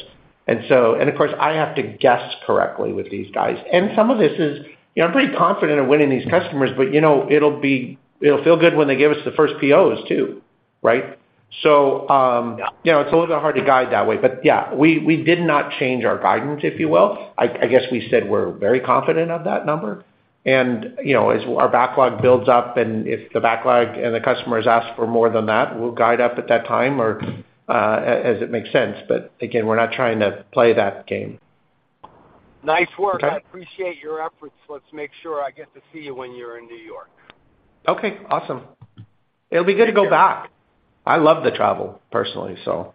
Of course, I have to guess correctly with these guys. Some of this is. You know, I'm pretty confident in winning these customers, but, you know, it'll feel good when they give us the first POs too, right? you know, it's a little bit hard to guide that way. yeah, we did not change our guidance, if you will. I guess we said we're very confident of that number. you know, as our backlog builds up and if the backlog and the customers ask for more than that, we'll guide up at that time or, as it makes sense. again, we're not trying to play that game. Nice work. Okay. I appreciate your efforts. Let's make sure I get to see you when you're in New York. Okay, awesome. It'll be good to go back. I love to travel personally, so.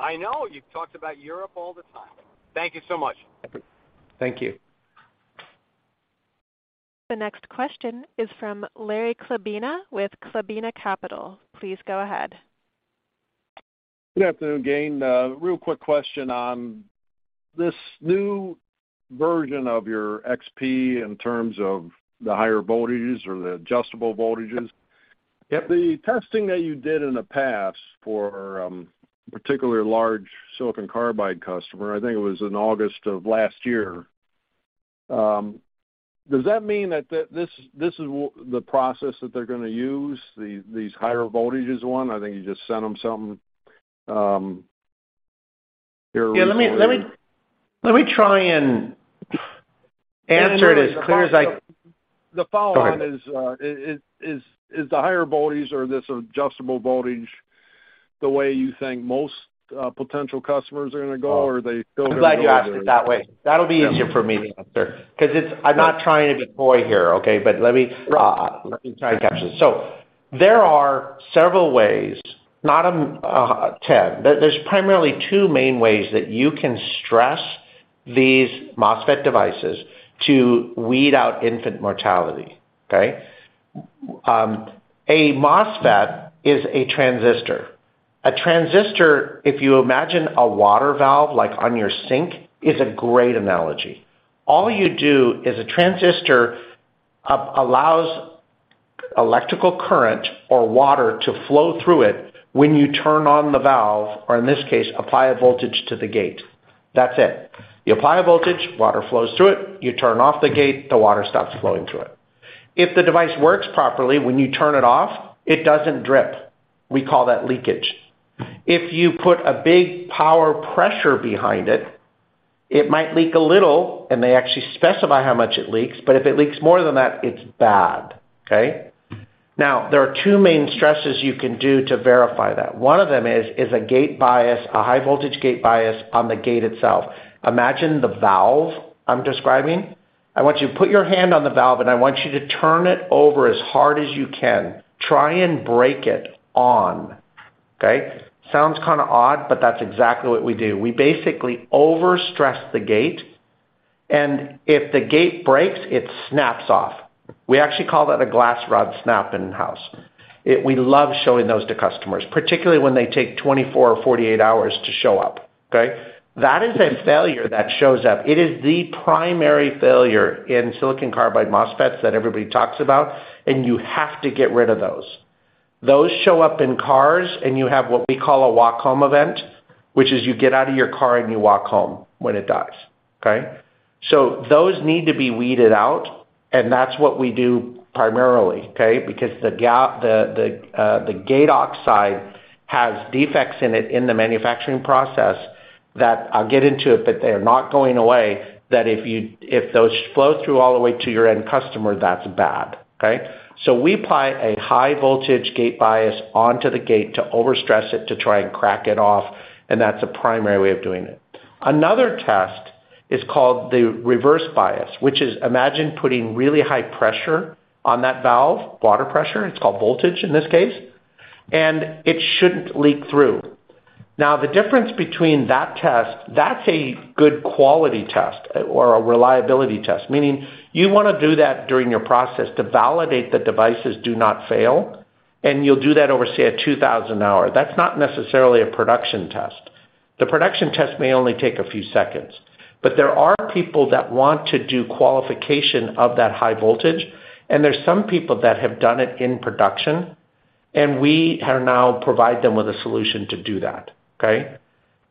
I know. You've talked about Europe all the time. Thank you so much. Thank you. The next question is from Larry Chlebina with Chlebina Capital. Please go ahead. Good afternoon, Gayn. Real quick question on this new version of your XP in terms of the higher voltages or the adjustable voltages. If the testing that you did in the past for a particular large silicon carbide customer, I think it was in August of last year, does that mean that this is the process that they're gonna use, these higher voltages one? I think you just sent them something here before you- Yeah, let me try and answer it as clear as I- The follow-on is the higher voltage or this adjustable voltage the way you think most potential customers are gonna go or are they still gonna go with the? I'm glad you asked it that way. That'll be easier for me to answer 'cause it's. I'm not trying to be coy here, okay? Let me try and capture this. There are several ways, not ten. There's primarily two main ways that you can stress these MOSFET devices to weed out infant mortality, okay? A MOSFET is a transistor. A transistor, if you imagine a water valve like on your sink, is a great analogy. All you do is a transistor allows electrical current or water to flow through it when you turn on the valve, or in this case, apply a voltage to the gate. That's it. You apply a voltage, water flows through it, you turn off the gate, the water stops flowing through it. If the device works properly, when you turn it off, it doesn't drip. We call that leakage. If you put a big power pressure behind it might leak a little, and they actually specify how much it leaks, but if it leaks more than that, it's bad. Okay? Now, there are two main stresses you can do to verify that. One of them is a gate bias, a high voltage gate bias on the gate itself. Imagine the valve I'm describing. I want you to put your hand on the valve, and I want you to turn it over as hard as you can. Try and break it on, okay? Sounds kind of odd, but that's exactly what we do. We basically over-stress the gate, and if the gate breaks, it snaps off. We actually call that a glass rod snap in-house. It, we love showing those to customers, particularly when they take 24 or 48 hours to show up, okay? That is a failure that shows up. It is the primary failure in silicon carbide MOSFETs that everybody talks about, and you have to get rid of those. Those show up in cars, and you have what we call a walk home event, which is you get out of your car and you walk home when it dies, okay? Those need to be weeded out, and that's what we do primarily, okay? Because the gate oxide has defects in it in the manufacturing process that I'll get into it, but they're not going away, that if those flow through all the way to your end customer, that's bad. Okay? We apply a high voltage gate bias onto the gate to over-stress it to try and crack it off, and that's a primary way of doing it. Another test is called the reverse bias, which is, imagine putting really high pressure on that valve, water pressure, it's called voltage in this case, and it shouldn't leak through. Now, the difference between that test, that's a good quality test or a reliability test, meaning you wanna do that during your process to validate the devices do not fail, and you'll do that over, say, a 2,000-hour. That's not necessarily a production test. The production test may only take a few seconds. There are people that want to do qualification of that high voltage, and there's some people that have done it in production, and we are now provide them with a solution to do that, okay?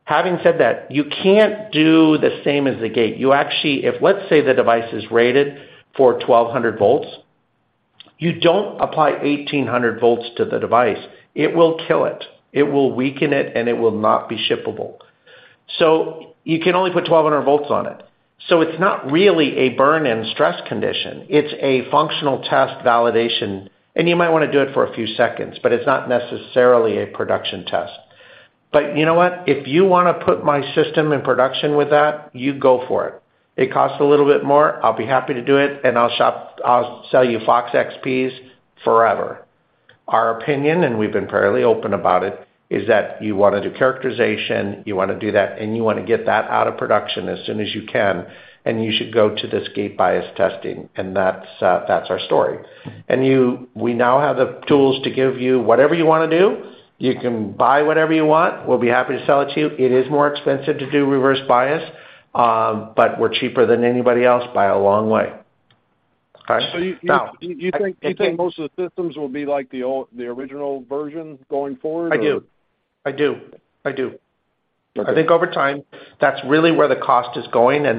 Having said that, you can't do the same as the gate. You actually, if let's say the device is rated for 1200 volts, you don't apply 1800 volts to the device. It will kill it. It will weaken it, and it will not be shippable. You can only put 1200 volts on it. It's not really a burn and stress condition. It's a functional test validation, and you might wanna do it for a few seconds, but it's not necessarily a production test. You know what? If you wanna put my system in production with that, you go for it. It costs a little bit more. I'll be happy to do it, and I'll sell you FOX-XP's forever. Our opinion, and we've been fairly open about it, is that you wanna do characterization, you wanna do that, and you wanna get that out of production as soon as you can, and you should go to this gate bias testing, and that's our story. We now have the tools to give you whatever you wanna do. You can buy whatever you want. We'll be happy to sell it to you. It is more expensive to do reverse bias, but we're cheaper than anybody else by a long way. Okay? So you- Now- Do you think most of the systems will be like the original version going forward or? I do. Okay. I think over time, that's really where the cost is going. By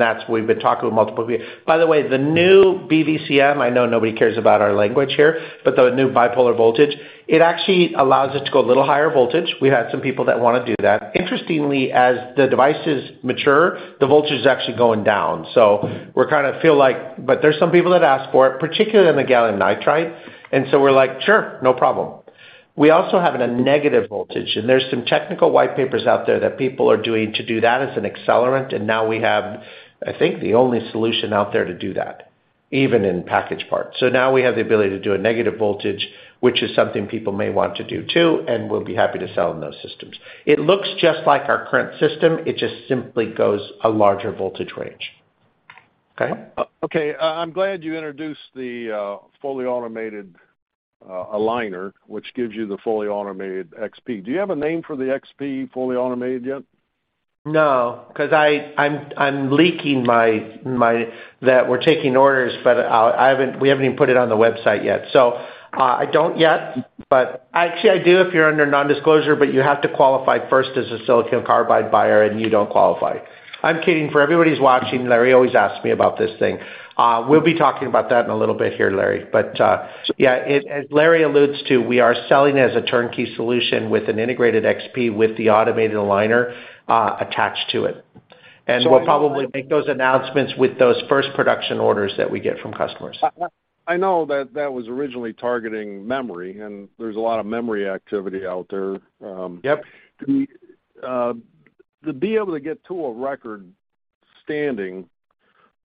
the way, the new BVCM, I know nobody cares about our language here, but the new bipolar voltage, it actually allows us to go a little higher voltage. We had some people that wanna do that. Interestingly, as the devices mature, the voltage is actually going down. We kind of feel like. There's some people that ask for it, particularly in the gallium nitride, and so we're like, "Sure, no problem." We also have a negative voltage, and there's some technical white papers out there that people are doing to do that as an accelerant, and now we have, I think, the only solution out there to do that, even in package parts. Now we have the ability to do a negative voltage, which is something people may want to do too, and we'll be happy to sell in those systems. It looks just like our current system. It just simply goes a larger voltage range. Okay? Okay. I'm glad you introduced the fully automated aligner, which gives you the fully automated XP. Do you have a name for the XP fully automated yet? No, 'cause I'm leaking that we're taking orders, but we haven't even put it on the website yet. I don't yet, but actually, I do if you're under nondisclosure, but you have to qualify first as a silicon carbide buyer, and you don't qualify. I'm kidding. For everybody who's watching, Larry always asks me about this thing. We'll be talking about that in a little bit here, Larry. Yeah, as Larry alludes to, we are selling as a turnkey solution with an integrated XP with the automated aligner attached to it. We'll probably make those announcements with those first production orders that we get from customers. I know that was originally targeting memory, and there's a lot of memory activity out there. Yep. To be able to get to a record-setting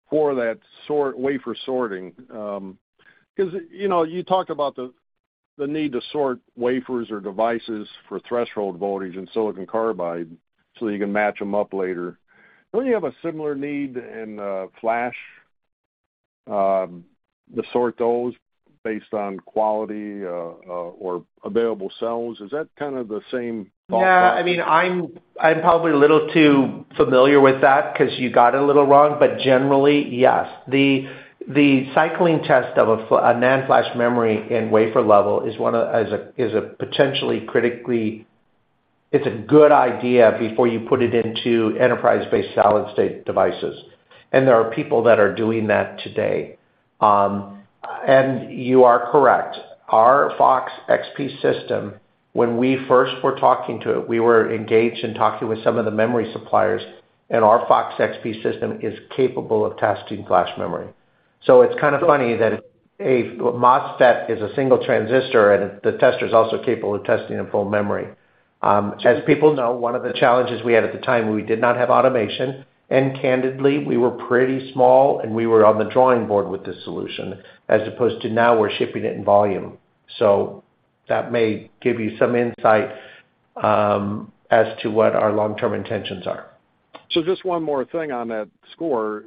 for that sort of wafer sorting, 'cause, you know, you talked about the need to sort wafers or devices for threshold voltage and silicon carbide so that you can match them up later. Don't you have a similar need in flash? To sort those based on quality or available cells. Is that kind of the same thought process? Yeah, I mean, I'm probably a little too familiar with that because you got it a little wrong, but generally, yes. The cycling test of a NAND flash memory in wafer level is potentially critical. It's a good idea before you put it into enterprise-based solid-state devices. There are people that are doing that today. You are correct. Our Fox XP system, when we first were talking to it, we were engaged in talking with some of the memory suppliers, and our Fox XP system is capable of testing flash memory. It's kind of funny that a MOSFET is a single transistor and the tester is also capable of testing a full memory. As people know, one of the challenges we had at the time, we did not have automation, and candidly, we were pretty small, and we were on the drawing board with this solution, as opposed to now we're shipping it in volume. That may give you some insight, as to what our long-term intentions are. Just one more thing on that score.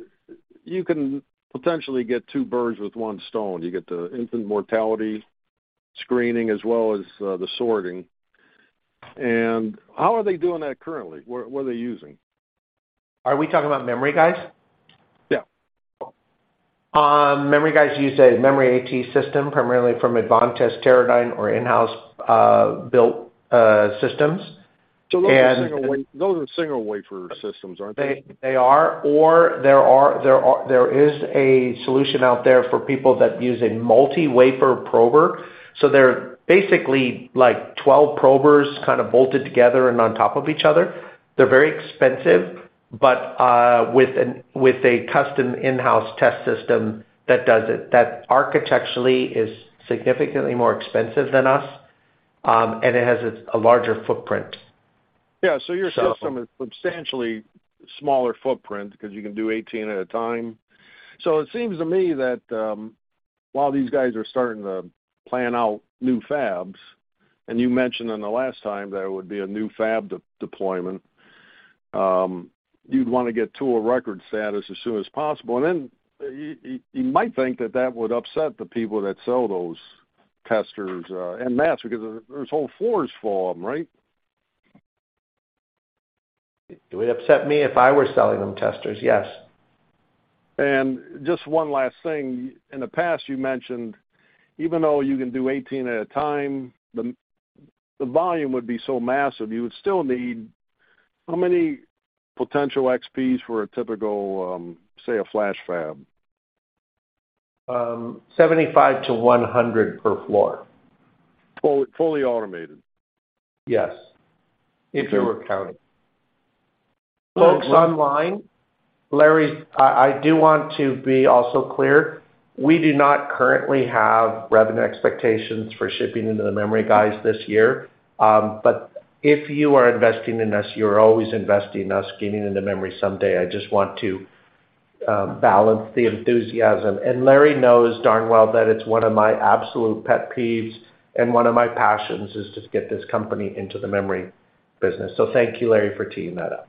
You can potentially get two birds with one stone. You get the infant mortality screening as well as, the sorting. How are they doing that currently? What are they using? Are we talking about memory guys? Yeah. Memory guys use a memory ATE system primarily from Advantest, Teradyne or in-house built systems and. Those are single wafer systems, aren't they? There is a solution out there for people that use a multi-wafer prober. They're basically like 12 probers kind of bolted together and on top of each other. They're very expensive, but with a custom in-house test system that does it. That architecturally is significantly more expensive than us, and it has a larger footprint. Yeah. Your system is substantially smaller footprint because you can do 18 at a time. It seems to me that while these guys are starting to plan out new fabs, and you mentioned in the last time there would be a new fab deployment, you'd wanna get to a record status as soon as possible. You might think that that would upset the people that sell those testers en masse because there's whole floors for them, right? Does it upset me if I were selling them testers? Yes. Just one last thing. In the past, you mentioned even though you can do 18 at a time, the volume would be so massive, you would still need how many potential XPs for a typical, say, a flash fab? 75-100 per floor. Fully automated? Yes. If you were counting. Folks online, Larry, I do want to be also clear, we do not currently have revenue expectations for shipping into the memory guys this year. But if you are investing in us, you are always investing in us getting into memory someday. I just want to balance the enthusiasm. Larry knows darn well that it's one of my absolute pet peeves and one of my passions is to get this company into the memory business. Thank you, Larry, for teeing that up.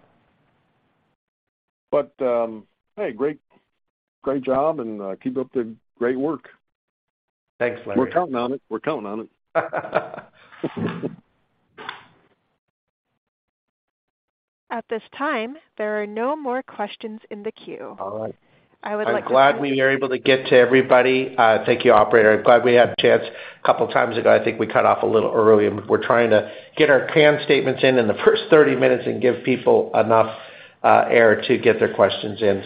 Hey, great job and keep up the great work. Thanks, Larry. We're counting on it. At this time, there are no more questions in the queue. All right. I would like to thank. I'm glad we are able to get to everybody. Thank you, operator. I'm glad we had a chance. A couple of times ago, I think we cut off a little early. We're trying to get our canned statements in in the first 30 minutes and give people enough air to get their questions in.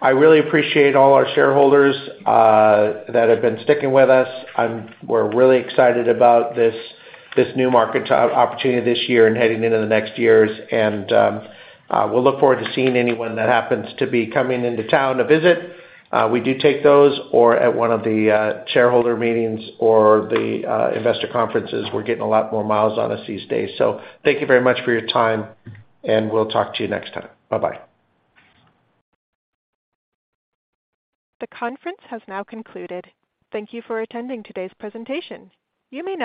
I really appreciate all our shareholders that have been sticking with us. We're really excited about this new market opportunity this year and heading into the next years. We'll look forward to seeing anyone that happens to be coming into town to visit. We do take those or at one of the shareholder meetings or the investor conferences. We're getting a lot more miles on us these days. Thank you very much for your time, and we'll talk to you next time. Bye-bye. The conference has now concluded. Thank you for attending today's presentation. You may now.